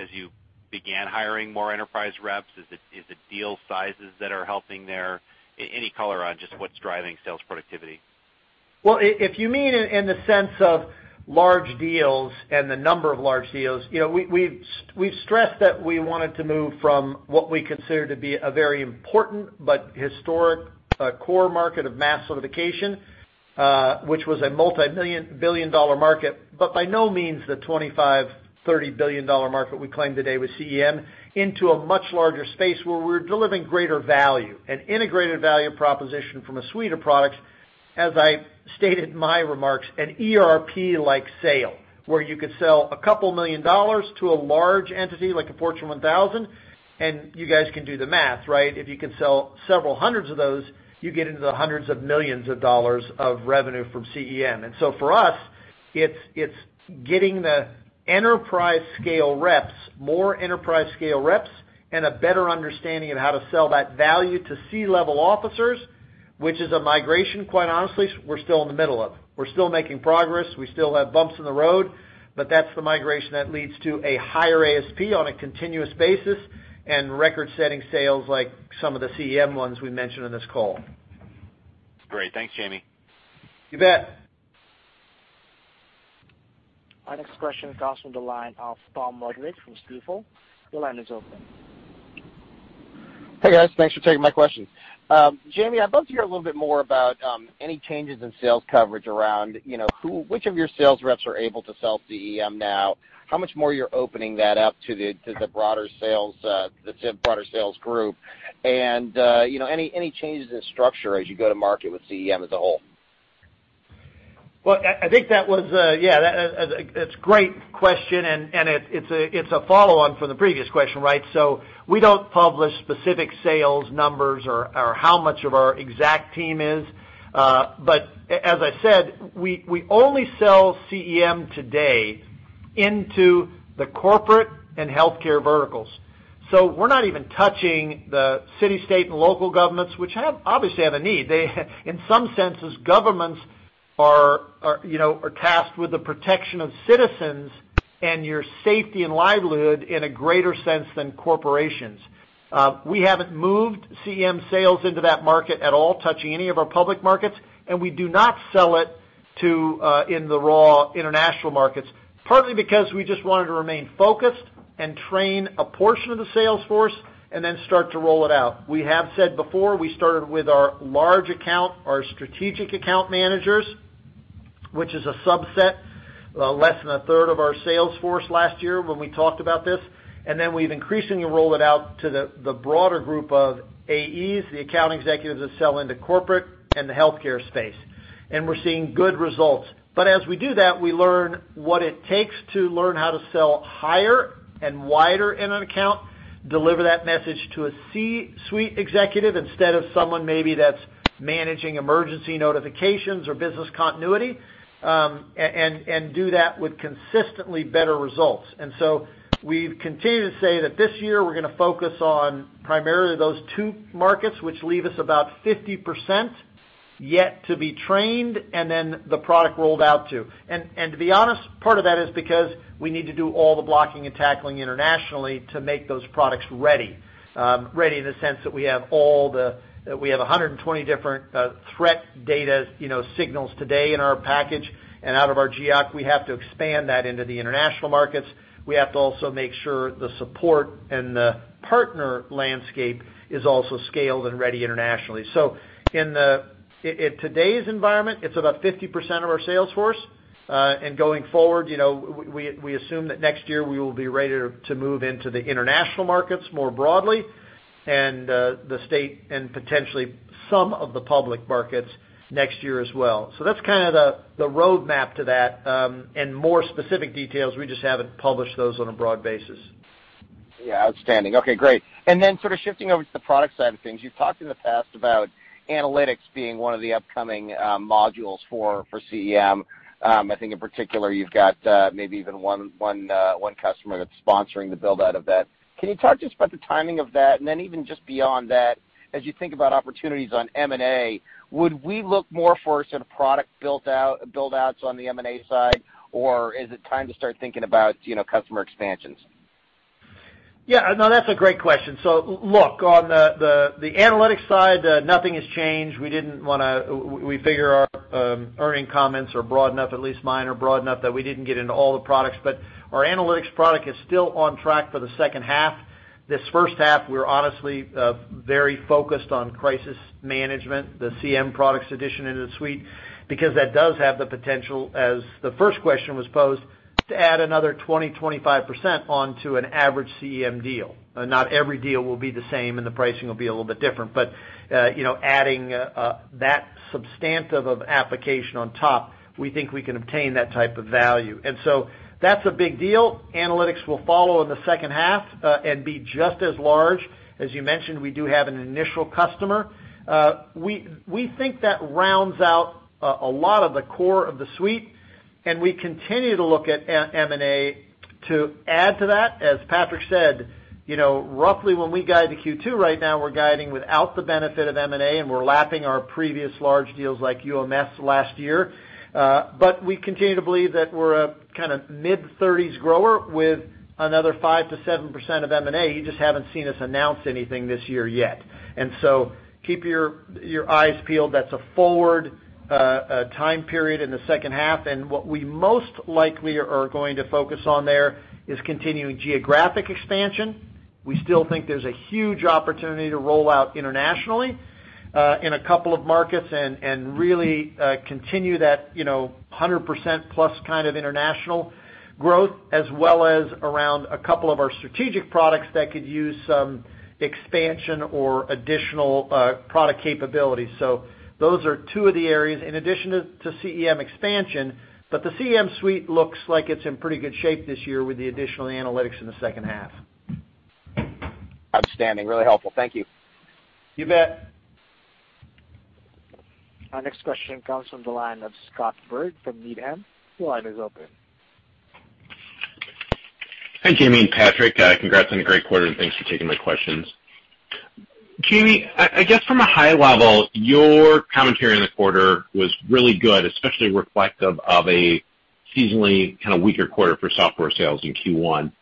as you began hiring more enterprise reps? Is it deal sizes that are helping there? Any color on just what's driving sales productivity? Well, if you mean in the sense of large deals and the number of large deals, we've stressed that we wanted to move from what we consider to be a very important but historic core market of Mass Notification, which was a multimillion-billion-dollar market, but by no means the $25 billion, $30 billion market we claim today with CEM, into a much larger space where we're delivering greater value, an integrated value proposition from a suite of products, as I stated in my remarks, an ERP-like sale, where you could sell a couple million dollars to a large entity like a Fortune 1000. You guys can do the math, right? If you can sell several hundreds of those, you get into the hundreds of millions of dollars of revenue from CEM. For us, it's getting the enterprise scale reps, more enterprise scale reps, and a better understanding of how to sell that value to C-level officers, which is a migration, quite honestly, we're still in the middle of. We're still making progress. We still have bumps in the road, but that's the migration that leads to a higher ASP on a continuous basis and record-setting sales like some of the CEM ones we mentioned on this call. Great. Thanks, Jaime. You bet. Our next question comes from the line of Tom Roderick from Stifel. Your line is open. Hey, guys. Thanks for taking my questions. Jaime, I'd love to hear a little bit more about any changes in sales coverage around which of your sales reps are able to sell CEM now, how much more you're opening that up to the broader sales group, and any changes in structure as you go to market with CEM as a whole. I think that's a great question, and it's a follow-on from the previous question, right? We don't publish specific sales numbers or how much of our exact team is. As I said, we only sell CEM today into the corporate and healthcare verticals. We're not even touching the city, state, and local governments, which obviously have a need. In some senses, governments are tasked with the protection of citizens and your safety and livelihood in a greater sense than corporations. We haven't moved CEM sales into that market at all, touching any of our public markets, and we do not sell it in the raw international markets, partly because we just wanted to remain focused and train a portion of the sales force and then start to roll it out. We have said before, we started with our large account, our strategic account managers, which is a subset, less than a third of our sales force last year when we talked about this. We've increasingly rolled it out to the broader group of AEs, the account executives that sell into corporate and the healthcare space. We're seeing good results. As we do that, we learn what it takes to learn how to sell higher and wider in an account, deliver that message to a C-suite executive instead of someone maybe that's managing emergency notifications or business continuity, and do that with consistently better results. We've continued to say that this year we're going to focus on primarily those two markets, which leave us about 50% yet to be trained and then the product rolled out to. To be honest, part of that is because we need to do all the blocking and tackling internationally to make those products ready. Ready in the sense that we have 120 different threat data signals today in our package and out of our GEOC. We have to expand that into the international markets. We have to also make sure the support and the partner landscape is also scaled and ready internationally. In today's environment, it's about 50% of our sales force. Going forward, we assume that next year we will be ready to move into the international markets more broadly and the state and potentially some of the public markets next year as well. That's kind of the road map to that. More specific details, we just haven't published those on a broad basis. Yeah, outstanding. Okay, great. Sort of shifting over to the product side of things, you've talked in the past about analytics being one of the upcoming modules for CEM. I think in particular you've got maybe even one customer that's sponsoring the build-out of that. Can you talk just about the timing of that and then even just beyond that as you think about opportunities on M&A, would we look more for sort of product build-outs on the M&A side or is it time to start thinking about customer expansions? Yeah, no, that's a great question. Look, on the analytics side, nothing has changed. We figure our earning comments are broad enough, at least mine are broad enough that we didn't get into all the products, but our analytics product is still on track for the second half. This first half, we're honestly very focused on Crisis Management, the CM products addition into the suite, because that does have the potential, as the first question was posed, to add another 20%-25% onto an average CEM deal. Not every deal will be the same, and the pricing will be a little bit different. Adding that substantive of application on top, we think we can obtain that type of value. That's a big deal. Analytics will follow in the second half and be just as large. As you mentioned, we do have an initial customer. We think that rounds out a lot of the core of the suite, we continue to look at M&A to add to that. As Patrick said, roughly when we guide to Q2, right now, we're guiding without the benefit of M&A, we're lapping our previous large deals like UMS last year. We continue to believe that we're a kind of mid-30s grower with another 5%-7% of M&A. You just haven't seen us announce anything this year yet. Keep your eyes peeled. That's a forward time period in the second half. What we most likely are going to focus on there is continuing geographic expansion. We still think there's a huge opportunity to roll out internationally in a couple of markets and really continue that 100%-plus kind of international growth, as well as around a couple of our strategic products that could use some expansion or additional product capabilities. Those are two of the areas in addition to CEM expansion. The CEM suite looks like it's in pretty good shape this year with the additional analytics in the second half. Outstanding, really helpful. Thank you. You bet. Our next question comes from the line of Scott Berg from Needham. The line is open. Hi, Jaime and Patrick. Congrats on a great quarter, thanks for taking my questions. Jaime, I guess from a high level, your commentary on the quarter was really good, especially reflective of a seasonally kind of weaker quarter for software sales in Q1.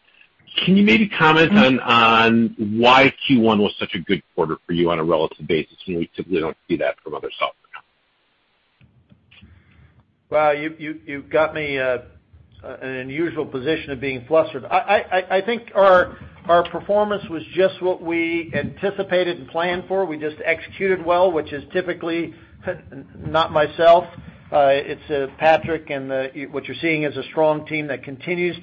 Can you maybe comment on why Q1 was such a good quarter for you on a relative basis when we typically don't see that from other software companies? Wow, you've got me an unusual position of being flustered. I think our performance was just what we anticipated and planned for. We just executed well, which is typically not myself. It's Patrick, what you're seeing is a strong team that continues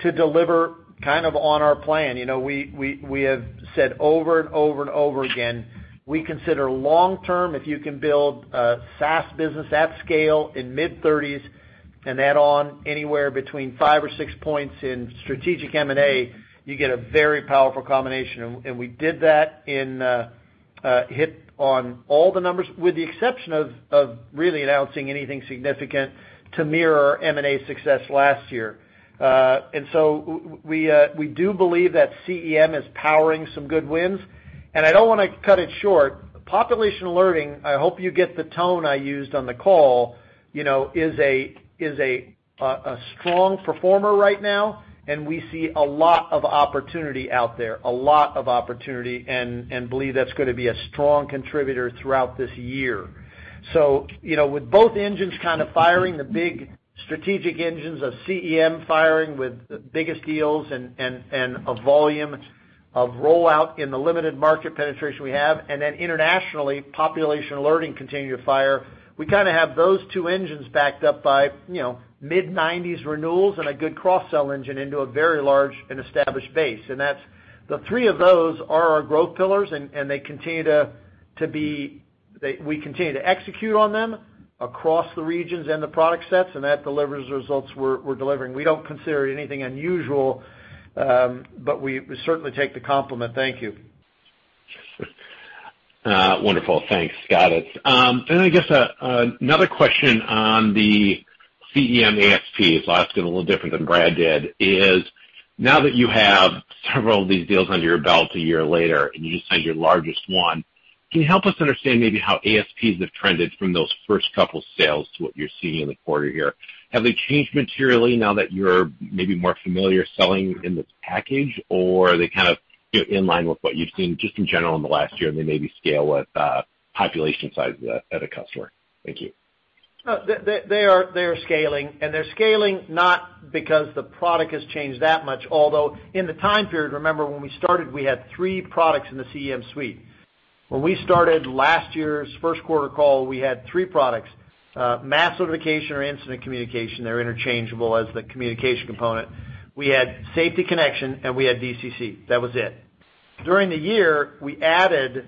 to deliver kind of on our plan. We have said over and over and over again, we consider long-term, if you can build a SaaS business at scale in mid-30s and add on anywhere between five or six points in strategic M&A, you get a very powerful combination. We did that and hit on all the numbers, with the exception of really announcing anything significant to mirror our M&A success last year. So we do believe that CEM is powering some good wins, and I don't want to cut it short. Population Alerting, I hope you get the tone I used on the call, is a strong performer right now, we see a lot of opportunity out there, and believe that's going to be a strong contributor throughout this year. With both engines kind of firing, the big strategic engines of CEM firing with the biggest deals and a volume of rollout in the limited market penetration we have, internationally, Population Alerting continuing to fire. We kind of have those two engines backed up by mid-90s renewals and a good cross-sell engine into a very large and established base. The three of those are our growth pillars, and they continue to be. We continue to execute on them across the regions and the product sets, that delivers results we're delivering. We don't consider it anything unusual, but we certainly take the compliment. Thank you. Wonderful. Thanks, Scott. Then I guess another question on the CEM ASPs. I'll ask it a little different than Brad did, is now that you have several of these deals under your belt a year later, and you just signed your largest one, can you help us understand maybe how ASPs have trended from those first couple sales to what you're seeing in the quarter year? Have they changed materially now that you're maybe more familiar selling in this package, or are they kind of in line with what you've seen just in general in the last year, and they maybe scale with population size at a customer? Thank you. They are scaling, and they're scaling not because the product has changed that much. In the time period, remember when we started, we had three products in the CEM suite. When we started last year's first quarter call, we had three products. Mass Notification or Incident Communications, they're interchangeable as the communication component. We had Safety Connection, and we had VCC. That was it. During the year, we added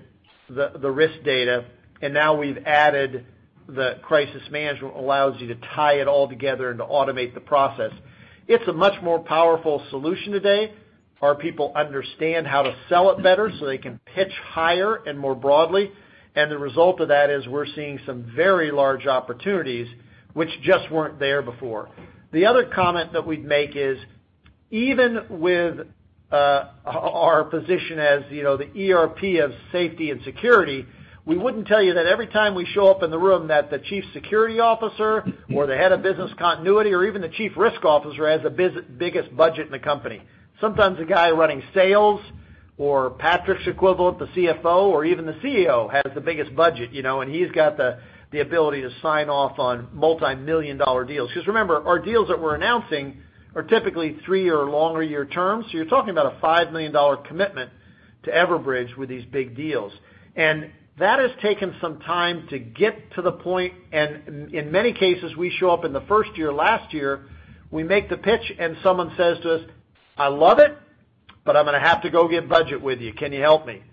the risk data, now we've added the Crisis Management, allows you to tie it all together and to automate the process. It's a much more powerful solution today. Our people understand how to sell it better, so they can pitch higher and more broadly. The result of that is we're seeing some very large opportunities, which just weren't there before. The other comment that we'd make is, even with our position as the ERP of safety and security, we wouldn't tell you that every time we show up in the room that the Chief Security Officer or the head of business continuity or even the Chief Risk Officer has the biggest budget in the company. Sometimes the guy running sales or Patrick's equivalent, the CFO, or even the CEO, has the biggest budget, and he's got the ability to sign off on multimillion-dollar deals. Remember, our deals that we're announcing are typically three or longer year terms. You're talking about a $5 million commitment to Everbridge with these big deals. That has taken some time to get to the point, and in many cases, we show up in the first year, last year, we make the pitch, and someone says to us, "I love it, but I'm going to have to go get budget with you. Can you help me?"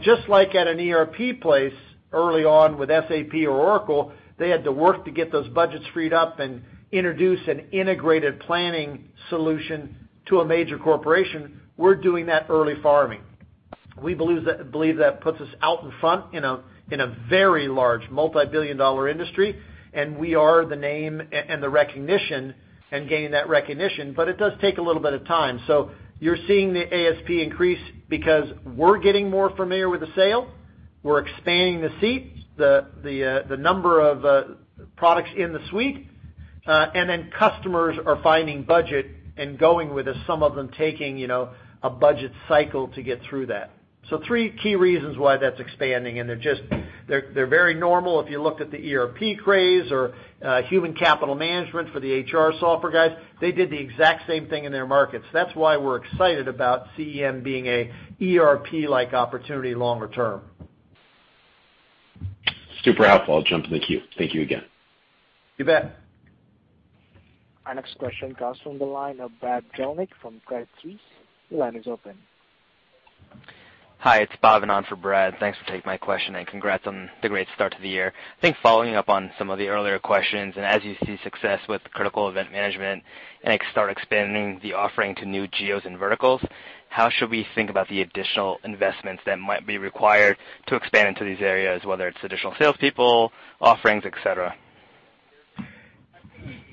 Just like at an ERP place early on with SAP or Oracle, they had to work to get those budgets freed up and introduce an integrated planning solution to a major corporation. We're doing that early farming. We believe that puts us out in front in a very large multibillion-dollar industry, and we are the name and the recognition and gaining that recognition. It does take a little bit of time. You're seeing the ASP increase because we're getting more familiar with the sale, we're expanding the seat, the number of products in the suite, and then customers are finding budget and going with us, some of them taking a budget cycle to get through that. Three key reasons why that's expanding, and they're very normal. If you looked at the ERP craze or human capital management for the HR software guys, they did the exact same thing in their markets. That's why we're excited about CEM being a ERP-like opportunity longer term. Super helpful. I'll jump in the queue. Thank you again. You bet. Our next question comes from the line of Brad Zelnick from Credit Suisse. Your line is open. Hi, it's Bhavananth for Brad. Thanks for taking my question, congrats on the great start to the year. I think following up on some of the earlier questions, as you see success with Critical Event Management and start expanding the offering to new geos and verticals, how should we think about the additional investments that might be required to expand into these areas, whether it's additional salespeople, offerings, et cetera?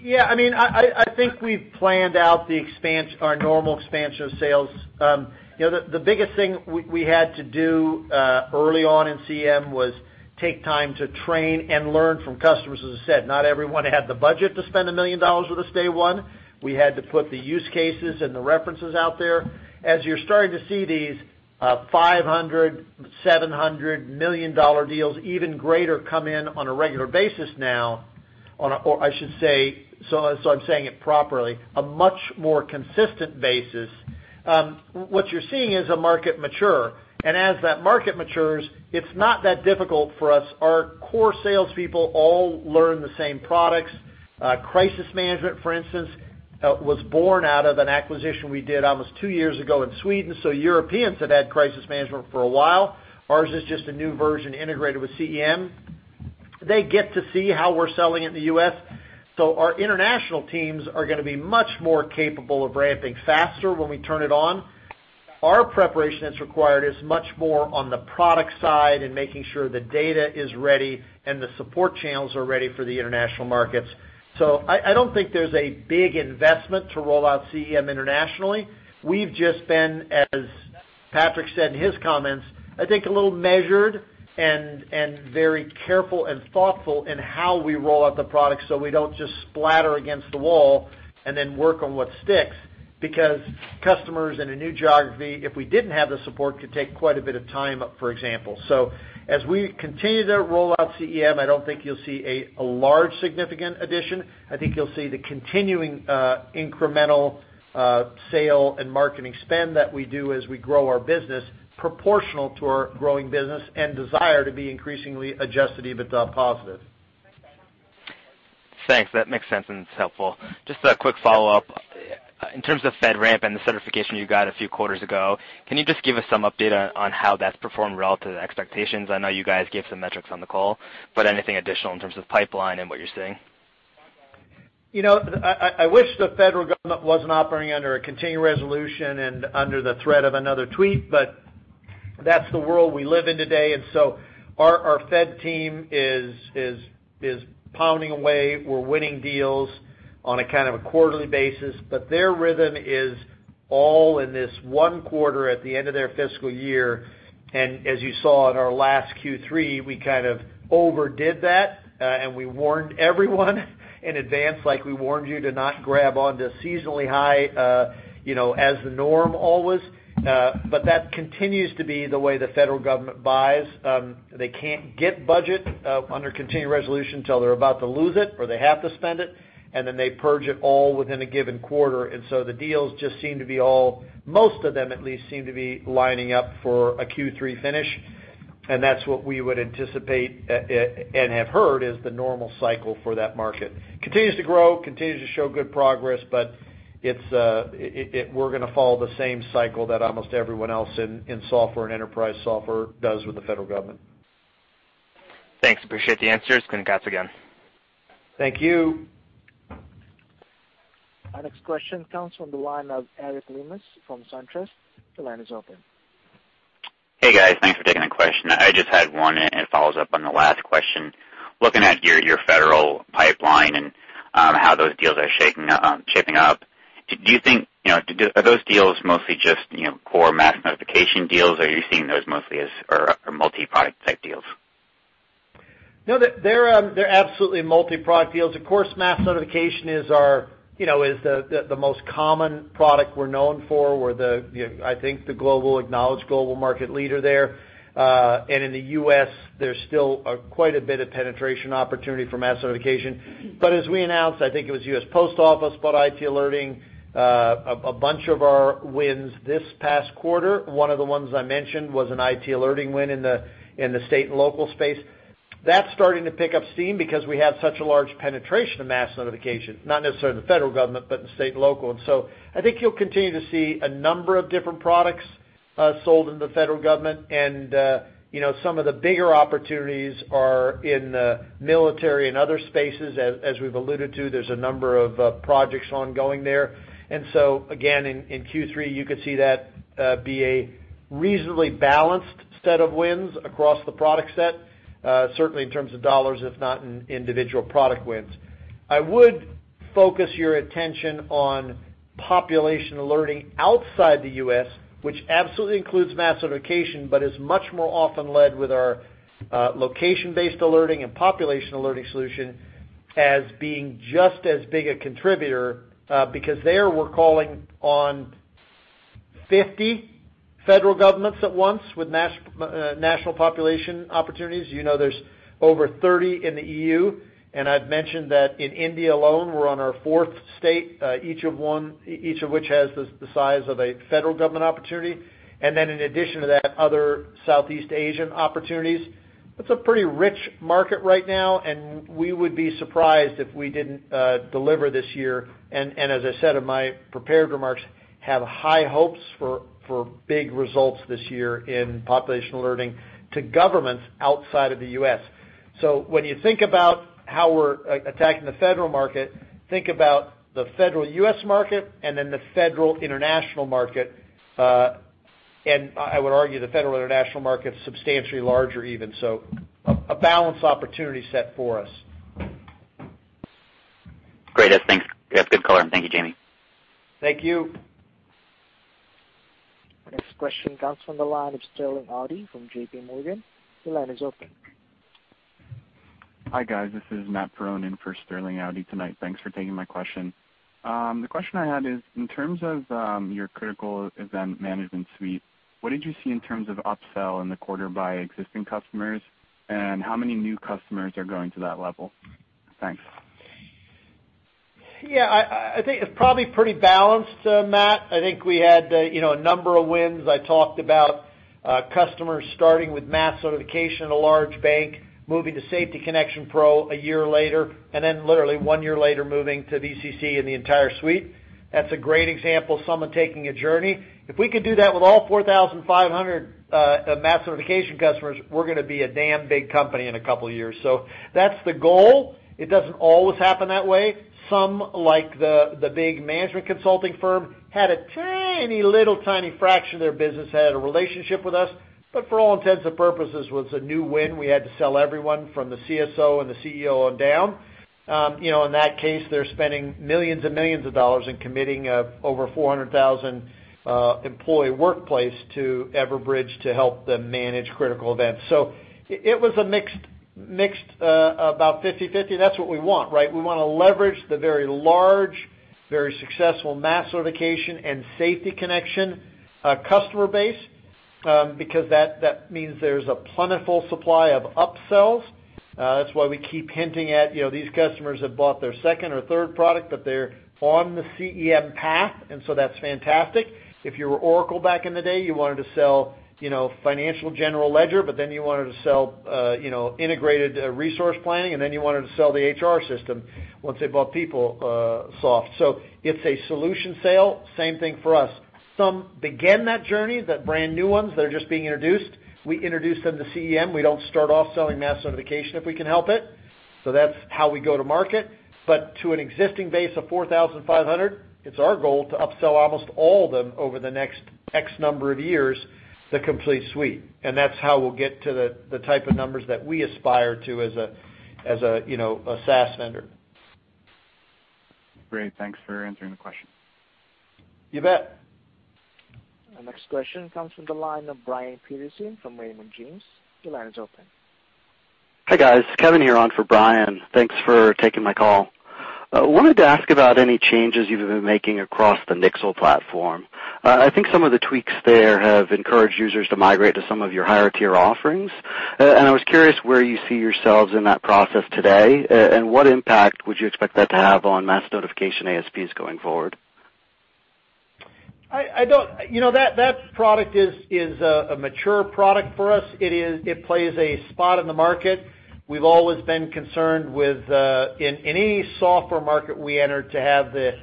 I think we've planned out our normal expansion of sales. The biggest thing we had to do early on in CEM was take time to train and learn from customers. As I said, not everyone had the budget to spend $1 million with us day one. We had to put the use cases and the references out there. As you're starting to see these $500 million, $700 million deals, even greater, come in on a regular basis now, or I should say, I'm saying it properly, a much more consistent basis. What you're seeing is a market mature. As that market matures, it's not that difficult for us. Our core salespeople all learn the same products. Crisis Management, for instance, was born out of an acquisition we did almost two years ago in Sweden, so Europeans have had Crisis Management for a while. Ours is just a new version integrated with CEM. They get to see how we're selling in the U.S. Our international teams are going to be much more capable of ramping faster when we turn it on. Our preparation that's required is much more on the product side and making sure the data is ready and the support channels are ready for the international markets. I don't think there's a big investment to roll out CEM internationally. We've just been, as Patrick said in his comments, I think, a little measured and very careful and thoughtful in how we roll out the product, so we don't just splatter against the wall and work on what sticks, because customers in a new geography, if we didn't have the support, could take quite a bit of time, for example. As we continue to roll out CEM, I don't think you'll see a large significant addition. I think you'll see the continuing incremental sale and marketing spend that we do as we grow our business proportional to our growing business and desire to be increasingly adjusted EBITDA positive. Thanks. That makes sense, and it's helpful. Just a quick follow-up. In terms of FedRAMP and the certification you got a few quarters ago, can you just give us some update on how that's performed relative to expectations? I know you guys gave some metrics on the call, but anything additional in terms of pipeline and what you're seeing? I wish the federal government wasn't operating under a continuing resolution and under the threat of another tweet, that's the world we live in today. Our Fed team is pounding away. We're winning deals on a kind of a quarterly basis, but their rhythm is all in this one quarter at the end of their fiscal year. As you saw in our last Q3, we kind of overdid that, and we warned everyone in advance, like we warned you to not grab onto seasonally high as the norm always. That continues to be the way the federal government buys. They can't get budget under continuing resolution till they're about to lose it, or they have to spend it, and then they purge it all within a given quarter. The deals just seem to be all, most of them at least, seem to be lining up for a Q3 finish, and that's what we would anticipate, and have heard is the normal cycle for that market. Continues to grow, continues to show good progress, we're gonna follow the same cycle that almost everyone else in software and enterprise software does with the federal government. Thanks. Appreciate the answers, and congrats again. Thank you. Our next question comes from the line of Eric Lemus from SunTrust. Your line is open. Hey, guys. Thanks for taking the question. I just had one, and it follows up on the last question. Looking at your federal pipeline and how those deals are shaping up, are those deals mostly just core Mass Notification deals, or are you seeing those mostly as multi-product type deals? No, they're absolutely multi-product deals. Of course, Mass Notification is the most common product we're known for. We're the global acknowledged global market leader there. In the U.S., there's still quite a bit of penetration opportunity for Mass Notification. As we announced, the U.S. Post Office bought IT Alerting, a bunch of our wins this past quarter, one of the ones I mentioned was an IT Alerting win in the state and local space. That's starting to pick up steam because we have such a large penetration of Mass Notification, not necessarily in the federal government, but in state and local. You'll continue to see a number of different products sold in the federal government, and some of the bigger opportunities are in the military and other spaces, as we've alluded to. There's a number of projects ongoing there. Again, in Q3, you could see that be a reasonably balanced set of wins across the product set, certainly in terms of dollars, if not in individual product wins. I would focus your attention on Population Alerting outside the U.S., which absolutely includes Mass Notification, but is much more often led with our Location-Based Alerting and Population Alerting solution as being just as big a contributor, because there we're calling on 50 federal governments at once with national population opportunities. There's over 30 in the EU, I've mentioned that in India alone, we're on our fourth state, each of which has the size of a federal government opportunity. In addition to that, other Southeast Asian opportunities. That's a pretty rich market right now, and we would be surprised if we didn't deliver this year. As I said in my prepared remarks, have high hopes for big results this year in Populational Alerting to governments outside of the U.S. When you think about how we're attacking the federal market, think about the federal U.S. market and the federal international market. I would argue the federal international market is substantially larger even. A balanced opportunity set for us. Great. Thanks. That's a good color. Thank you, Jaime. Thank you. Next question comes from the line of Sterling Auty from JPMorgan. Your line is open. Hi, guys. This is Matt Parron in for Sterling Auty tonight. Thanks for taking my question. The question I had is, in terms of your Critical Event Management suite, what did you see in terms of upsell in the quarter by existing customers, and how many new customers are going to that level? Thanks. Yeah, I think it's probably pretty balanced, Matt. I think we had a number of wins. I talked about customers starting with Mass Notification at a large bank, moving to Safety Connection Pro a year later, and then literally one year later, moving to VCC and the entire suite. That's a great example of someone taking a journey. If we could do that with all 4,500 Mass Notification customers, we're going to be a damn big company in a couple of years. That's the goal. It doesn't always happen that way. Some, like the big management consulting firm, had a tiny little, tiny fraction of their business had a relationship with us, but for all intents and purposes, was a new win. We had to sell everyone from the CSO and the CEO on down. In that case, they're spending millions and millions of dollars in committing over 400,000 employee workplace to Everbridge to help them manage critical events. It was a mixed, about 50/50. That's what we want, right? We want to leverage the very large, very successful Mass Notification and Safety Connection customer base, because that means there's a plentiful supply of upsells. That's why we keep hinting at these customers have bought their second or third product, but they're on the CEM path, that's fantastic. If you were Oracle back in the day, you wanted to sell financial general ledger, then you wanted to sell integrated resource planning, then you wanted to sell the HR system once they bought PeopleSoft. It's a solution sale, same thing for us. Some begin that journey, the brand-new ones that are just being introduced. We introduce them to CEM. We don't start off selling Mass Notification if we can help it. That's how we go to market. To an existing base of 4,500, it's our goal to upsell almost all of them over the next X number of years, the complete suite. That's how we'll get to the type of numbers that we aspire to as a SaaS vendor. Great. Thanks for answering the question. You bet. Our next question comes from the line of Brian Peterson from Raymond James. Your line is open. Hi, guys. Kevin here on for Brian. Thanks for taking my call. I wanted to ask about any changes you've been making across the Nixle platform. I think some of the tweaks there have encouraged users to migrate to some of your higher-tier offerings. I was curious where you see yourselves in that process today, and what impact would you expect that to have on Mass Notification ASPs going forward? That product is a mature product for us. It plays a spot in the market. We've always been concerned with, in any software market we enter, to have the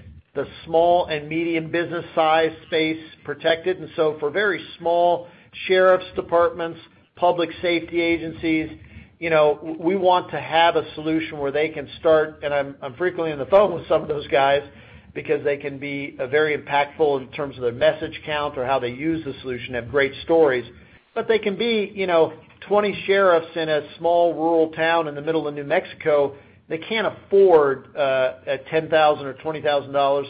small and medium business size space protected. For very small sheriff's departments, public safety agencies, we want to have a solution where they can start, and I'm frequently on the phone with some of those guys because they can be very impactful in terms of their message count or how they use the solution, have great stories. They can be 20 sheriffs in a small rural town in the middle of New Mexico. They can't afford a $10,000 or $20,000.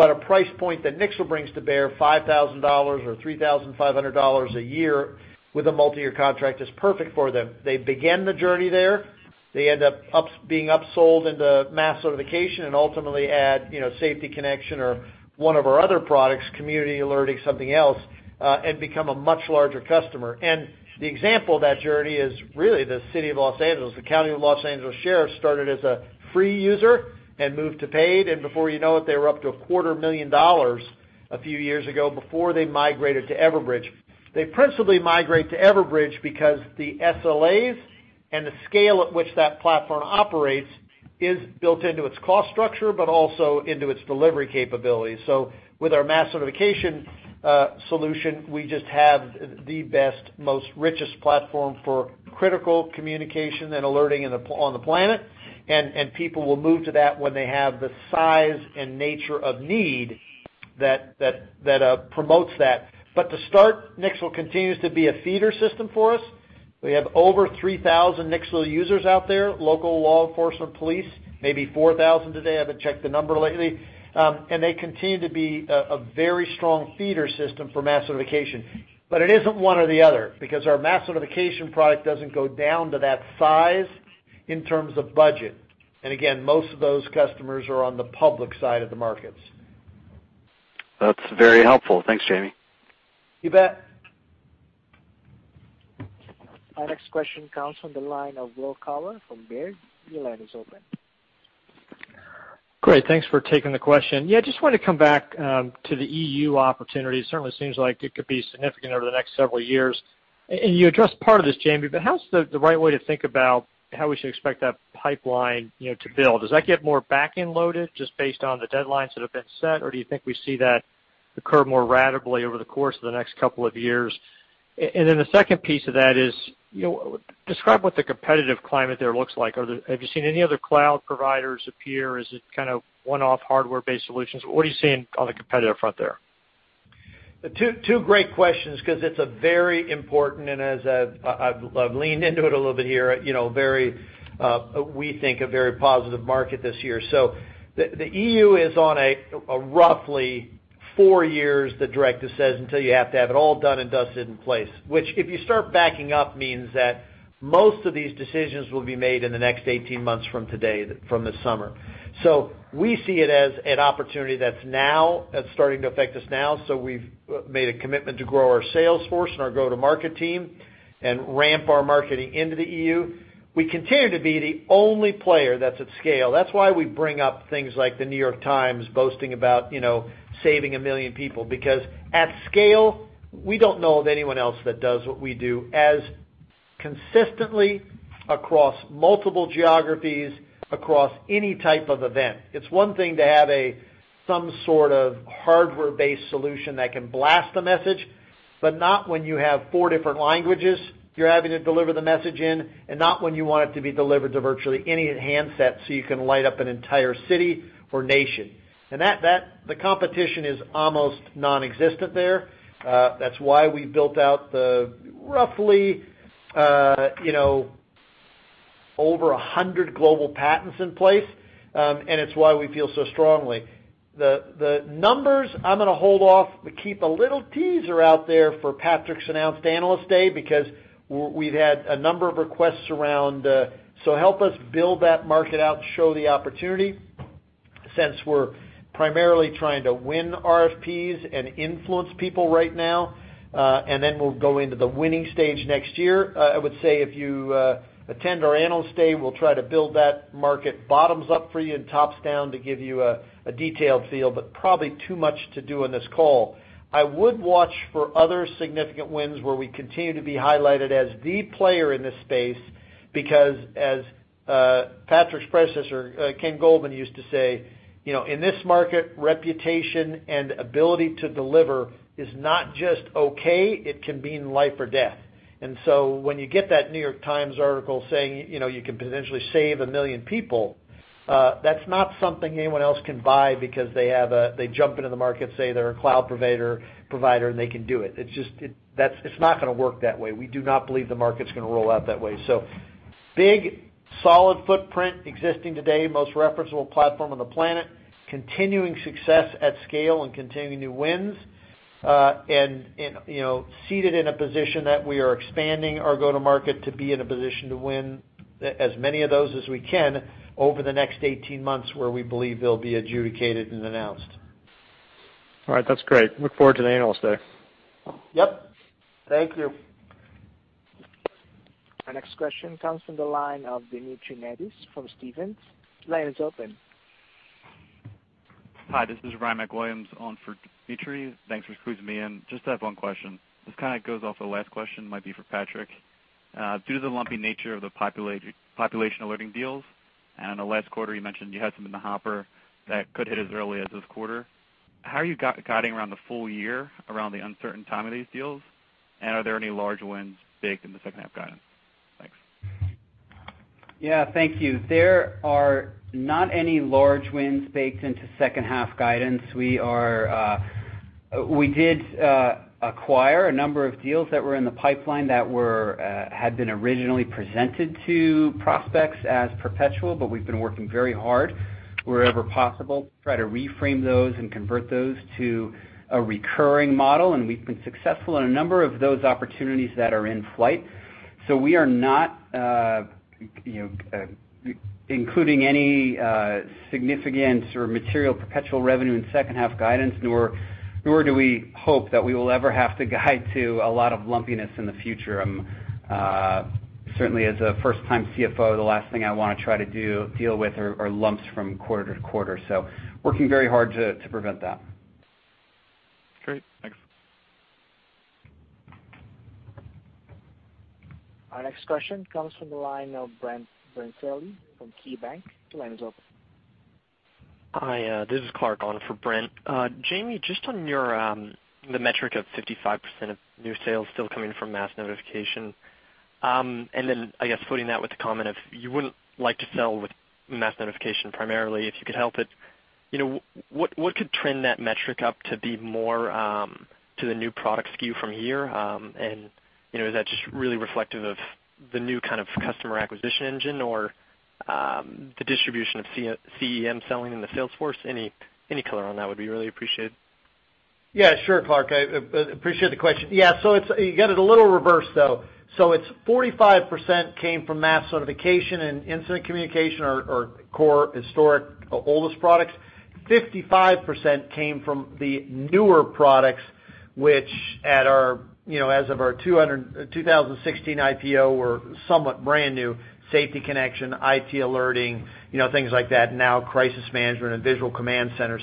A price point that Nixle brings to bear, $5,000 or $3,500 a year with a multi-year contract is perfect for them. They begin the journey there. They end up being upsold into Mass Notification and ultimately add Safety Connection or one of our other products, community alerting, something else, and become a much larger customer. The example of that journey is really the city of Los Angeles. The County of Los Angeles Sheriff started as a free user and moved to paid, and before you know it, they were up to a quarter-million dollars a few years ago before they migrated to Everbridge. They principally migrate to Everbridge because the SLAs and the scale at which that platform operates is built into its cost structure, but also into its delivery capabilities. With our Mass Notification solution, we just have the best, most richest platform for critical communication and alerting on the planet, and people will move to that when they have the size and nature of need that promotes that. To start, Nixle continues to be a feeder system for us. We have over 3,000 Nixle users out there, local law enforcement, police, maybe 4,000 today, I haven't checked the number lately. They continue to be a very strong feeder system for Mass Notification. It isn't one or the other, because our Mass Notification product doesn't go down to that size in terms of budget. Again, most of those customers are on the public side of the markets. That's very helpful. Thanks, Jaime. You bet. Our next question comes from the line of Will Power from Baird. Your line is open. Great. Thanks for taking the question. I just wanted to come back to the EU opportunity. Certainly seems like it could be significant over the next several years. You addressed part of this, Jaime, how is the right way to think about how we should expect that pipeline to build? Does that get more back-end loaded just based on the deadlines that have been set, or do you think we see that occur more ratably over the course of the next couple of years? The second piece of that is, describe what the competitive climate there looks like. Have you seen any other cloud providers appear? Is it kind of one-off hardware-based solutions? What are you seeing on the competitive front there? Two great questions because it is a very important, and as I have leaned into it a little bit here, we think a very positive market this year. The EU is on a roughly 4 years, the directive says, until you have to have it all done and dusted in place, which if you start backing up, means that most of these decisions will be made in the next 18 months from today, from this summer. We see it as an opportunity that is starting to affect us now, we have made a commitment to grow our sales force and our go-to-market team and ramp our marketing into the EU. We continue to be the only player that is at scale. That is why we bring up things like The New York Times boasting about saving 1 million people, because at scale, we do not know of anyone else that does what we do as consistently across multiple geographies, across any type of event. It is one thing to have some sort of hardware-based solution that can blast a message, but not when you have four different languages you are having to deliver the message in, not when you want it to be delivered to virtually any handset so you can light up an entire city or nation. The competition is almost nonexistent there. That is why we built out the roughly over 100 global patents in place, it is why we feel so strongly. The numbers I am going to hold off, keep a little teaser out there for Patrick's announced Analyst Day, because we have had a number of requests around, help us build that market out and show the opportunity since we are primarily trying to win RFPs and influence people right now. We will go into the winning stage next year. I would say if you attend our Analyst Day, we will try to build that market bottoms up for you and tops down to give you a detailed feel, probably too much to do on this call. I would watch for other significant wins where we continue to be highlighted as the player in this space because as Patrick's predecessor, Ken Goldman, used to say, in this market, reputation and ability to deliver is not just okay, it can mean life or death. When you get that The New York Times article saying you can potentially save 1 million people, that's not something anyone else can buy because they jump into the market, say they're a cloud provider, and they can do it. It's not going to work that way. We do not believe the market's going to roll out that way. Big, solid footprint existing today, most referenceable platform on the planet, continuing success at scale and continuing to wins. Seated in a position that we are expanding our go-to-market to be in a position to win as many of those as we can over the next 18 months where we believe they'll be adjudicated and announced. All right. That's great. Look forward to the Analyst Day. Yep. Thank you. Our next question comes from the line of Dmitry Netis from Stephens. Your line is open. Hi, this is Ryan MacWilliams on for Dmitry. Thanks for squeezing me in. Just have one question. This kind of goes off the last question, might be for Patrick. Due to the lumpy nature of the population alerting deals, I know last quarter you mentioned you had some in the hopper that could hit as early as this quarter. How are you guiding around the full year around the uncertain time of these deals, and are there any large wins baked in the second half guidance? Thanks. Yeah. Thank you. There are not any large wins baked into second half guidance. We did acquire a number of deals that were in the pipeline that had been originally presented to prospects as perpetual, we've been working very hard wherever possible to try to reframe those and convert those to a recurring model, and we've been successful in a number of those opportunities that are in flight. We are not including any significant or material perpetual revenue in second half guidance, nor do we hope that we will ever have to guide to a lot of lumpiness in the future. Certainly as a first-time CFO, the last thing I want to try to deal with are lumps from quarter to quarter, working very hard to prevent that. Great. Thanks. Our next question comes from the line of Brent Thill from KeyBanc. Your line is open. Hi, this is Clark on for Brent Thill. Jaime, just on the metric of 55% of new sales still coming from Mass Notification. Then I guess footing that with the comment of you wouldn't like to sell with Mass Notification primarily, if you could help it. What could trend that metric up to be more to the new product SKU from here? Is that just really reflective of the new kind of customer acquisition engine or the distribution of CEM selling in the sales force? Any color on that would be really appreciated. Yeah, sure, Clark. Appreciate the question. You got it a little reversed, though. It's 45% came from Mass Notification and Incident Communications, our core historic oldest products. 55% came from the newer products, which as of our 2016 IPO, were somewhat brand new. Safety Connection, IT Alerting, things like that. Now Crisis Management and Visual Command Center.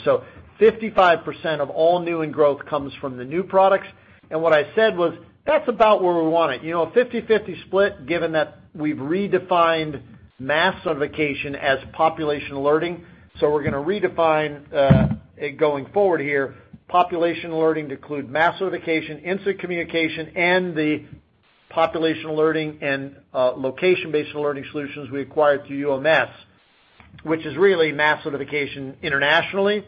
55% of all new and growth comes from the new products. What I said was, that's about where we want it. A 50/50 split given that we've redefined Mass Notification as population alerting. We're going to redefine it going forward here. Population alerting to include Mass Notification, Incident Communications, and the population alerting and location-based alerting solutions we acquired through UMS, which is really Mass Notification internationally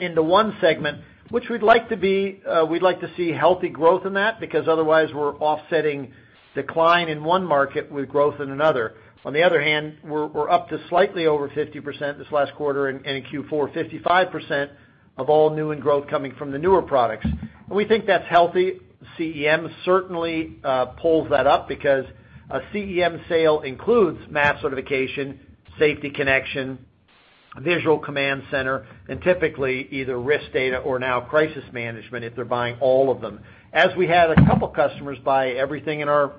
into one segment, which we'd like to see healthy growth in that, because otherwise we're offsetting decline in one market with growth in another. On the other hand, we're up to slightly over 50% this last quarter and in Q4, 55% of all new and growth coming from the newer products. We think that's healthy. CEM certainly pulls that up because a CEM sale includes Mass Notification, Safety Connection, Visual Command Center, and typically either risk data or now Crisis Management if they're buying all of them. As we had a couple customers buy everything in our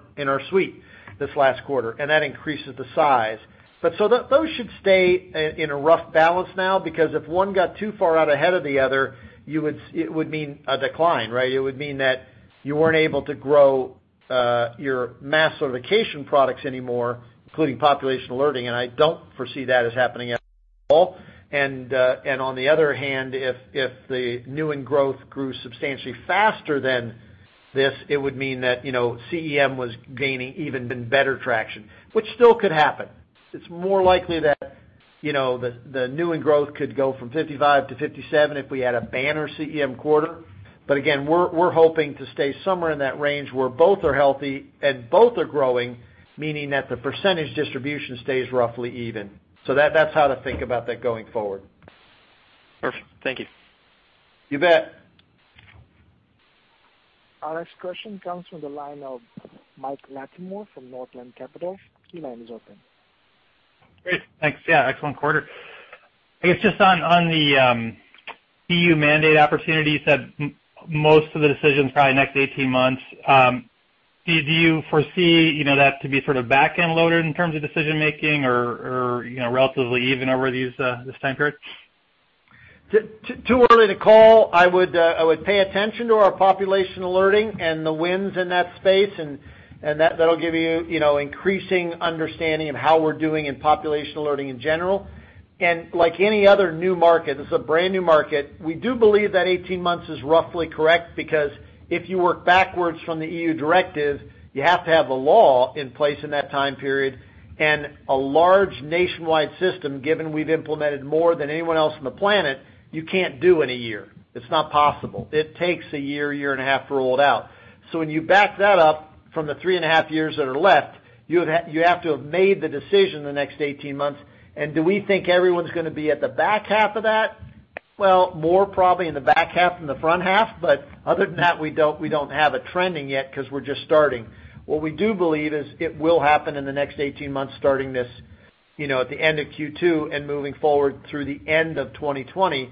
suite this last quarter, that increases the size. Those should stay in a rough balance now, because if one got too far out ahead of the other, it would mean a decline, right? It would mean that you weren't able to grow your Mass Notification products anymore, including population alerting, I don't foresee that as happening at all. On the other hand, if the new and growth grew substantially faster than this, it would mean that CEM was gaining even better traction, which still could happen. It's more likely that the new and growth could go from 55 to 57 if we had a banner CEM quarter. Again, we're hoping to stay somewhere in that range where both are healthy and both are growing, meaning that the percentage distribution stays roughly even. That's how to think about that going forward. Perfect. Thank you. You bet. Our next question comes from the line of Mike Latimore from Northland Capital. Your line is open. Great. Thanks. Yeah, excellent quarter. I guess just on the EU mandate opportunity, you said most of the decisions probably next 18 months. Do you foresee that to be sort of back-end loaded in terms of decision-making or relatively even over this time period? Too early to call. I would pay attention to our population alerting and the wins in that space, and that will give you increasing understanding of how we are doing in population alerting in general. Like any other new market, this is a brand-new market. We do believe that 18 months is roughly correct, because if you work backwards from the EU directive, you have to have the law in place in that time period, and a large nationwide system, given we have implemented more than anyone else on the planet, you cannot do in one year. It is not possible. It takes one year, one year and a half to roll it out. When you back that up from the three and a half years that are left, you have to have made the decision in the next 18 months. Do we think everyone is going to be at the back half of that? Well, more probably in the back half than the front half. Other than that, we do not have it trending yet because we are just starting. What we do believe is it will happen in the next 18 months, starting at the end of Q2 and moving forward through the end of 2020.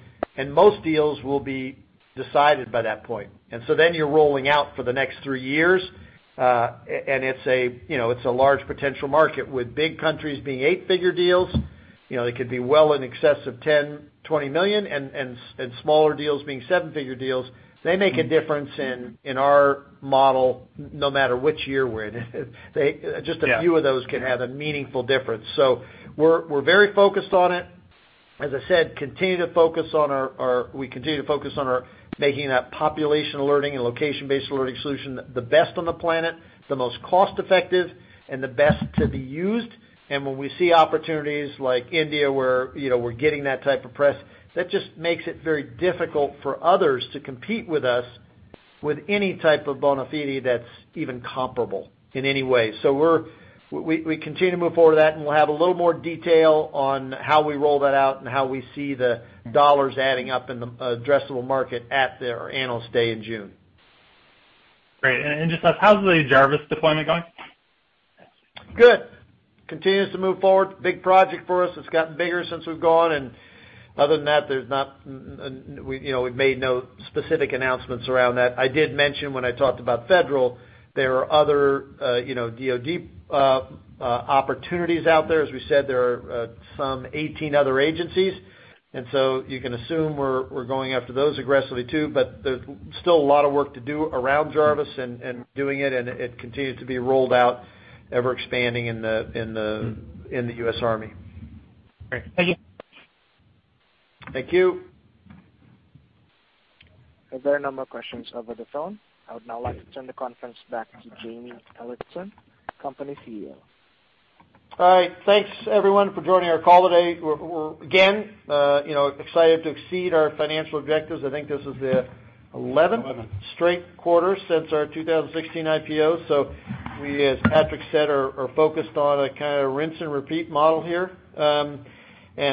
Most deals will be decided by that point. You are rolling out for the next three years. It is a large potential market with big countries being eight-figure deals. It could be well in excess of $10 million, $20 million, and smaller deals being seven-figure deals. They make a difference in our model, no matter which year we are in it. Yeah. Just a few of those can have a meaningful difference. We are very focused on it. As I said, we continue to focus on our making that population alerting and location-based alerting solution the best on the planet, the most cost-effective, and the best to be used. When we see opportunities like India, where we are getting that type of press, that just makes it very difficult for others to compete with us with any type of bona fide that is even comparable in any way. We continue to move forward with that, and we will have a little more detail on how we roll that out and how we see the dollars adding up in the addressable market at our Analyst Day in June. Great. Just how is the JARVISS deployment going? Good. Continues to move forward. Big project for us. It's gotten bigger since we've gone. Other than that, we've made no specific announcements around that. I did mention when I talked about federal, there are other DoD opportunities out there. As we said, there are some 18 other agencies. So you can assume we're going after those aggressively, too. There's still a lot of work to do around JARVISS and doing it, and it continues to be rolled out, ever-expanding in the U.S. Army. Great. Thank you. Thank you. There are no more questions over the phone. I would now like to turn the conference back to Jaime Ellertson, Company CEO. All right. Thanks everyone for joining our call today. We're again excited to exceed our financial objectives. I think this is the 11th. 11th straight quarter since our 2016 IPO. We, as Patrick said, are focused on a kind of rinse and repeat model here. We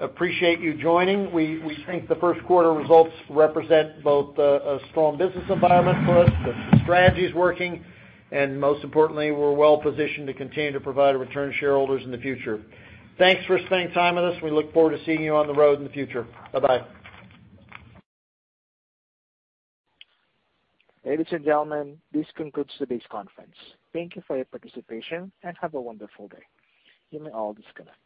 appreciate you joining. We think the first quarter results represent both a strong business environment for us, that the strategy's working, and most importantly, we're well-positioned to continue to provide a return to shareholders in the future. Thanks for spending time with us. We look forward to seeing you on the road in the future. Bye-bye. Ladies and gentlemen, this concludes today's conference. Thank you for your participation, and have a wonderful day. You may all disconnect.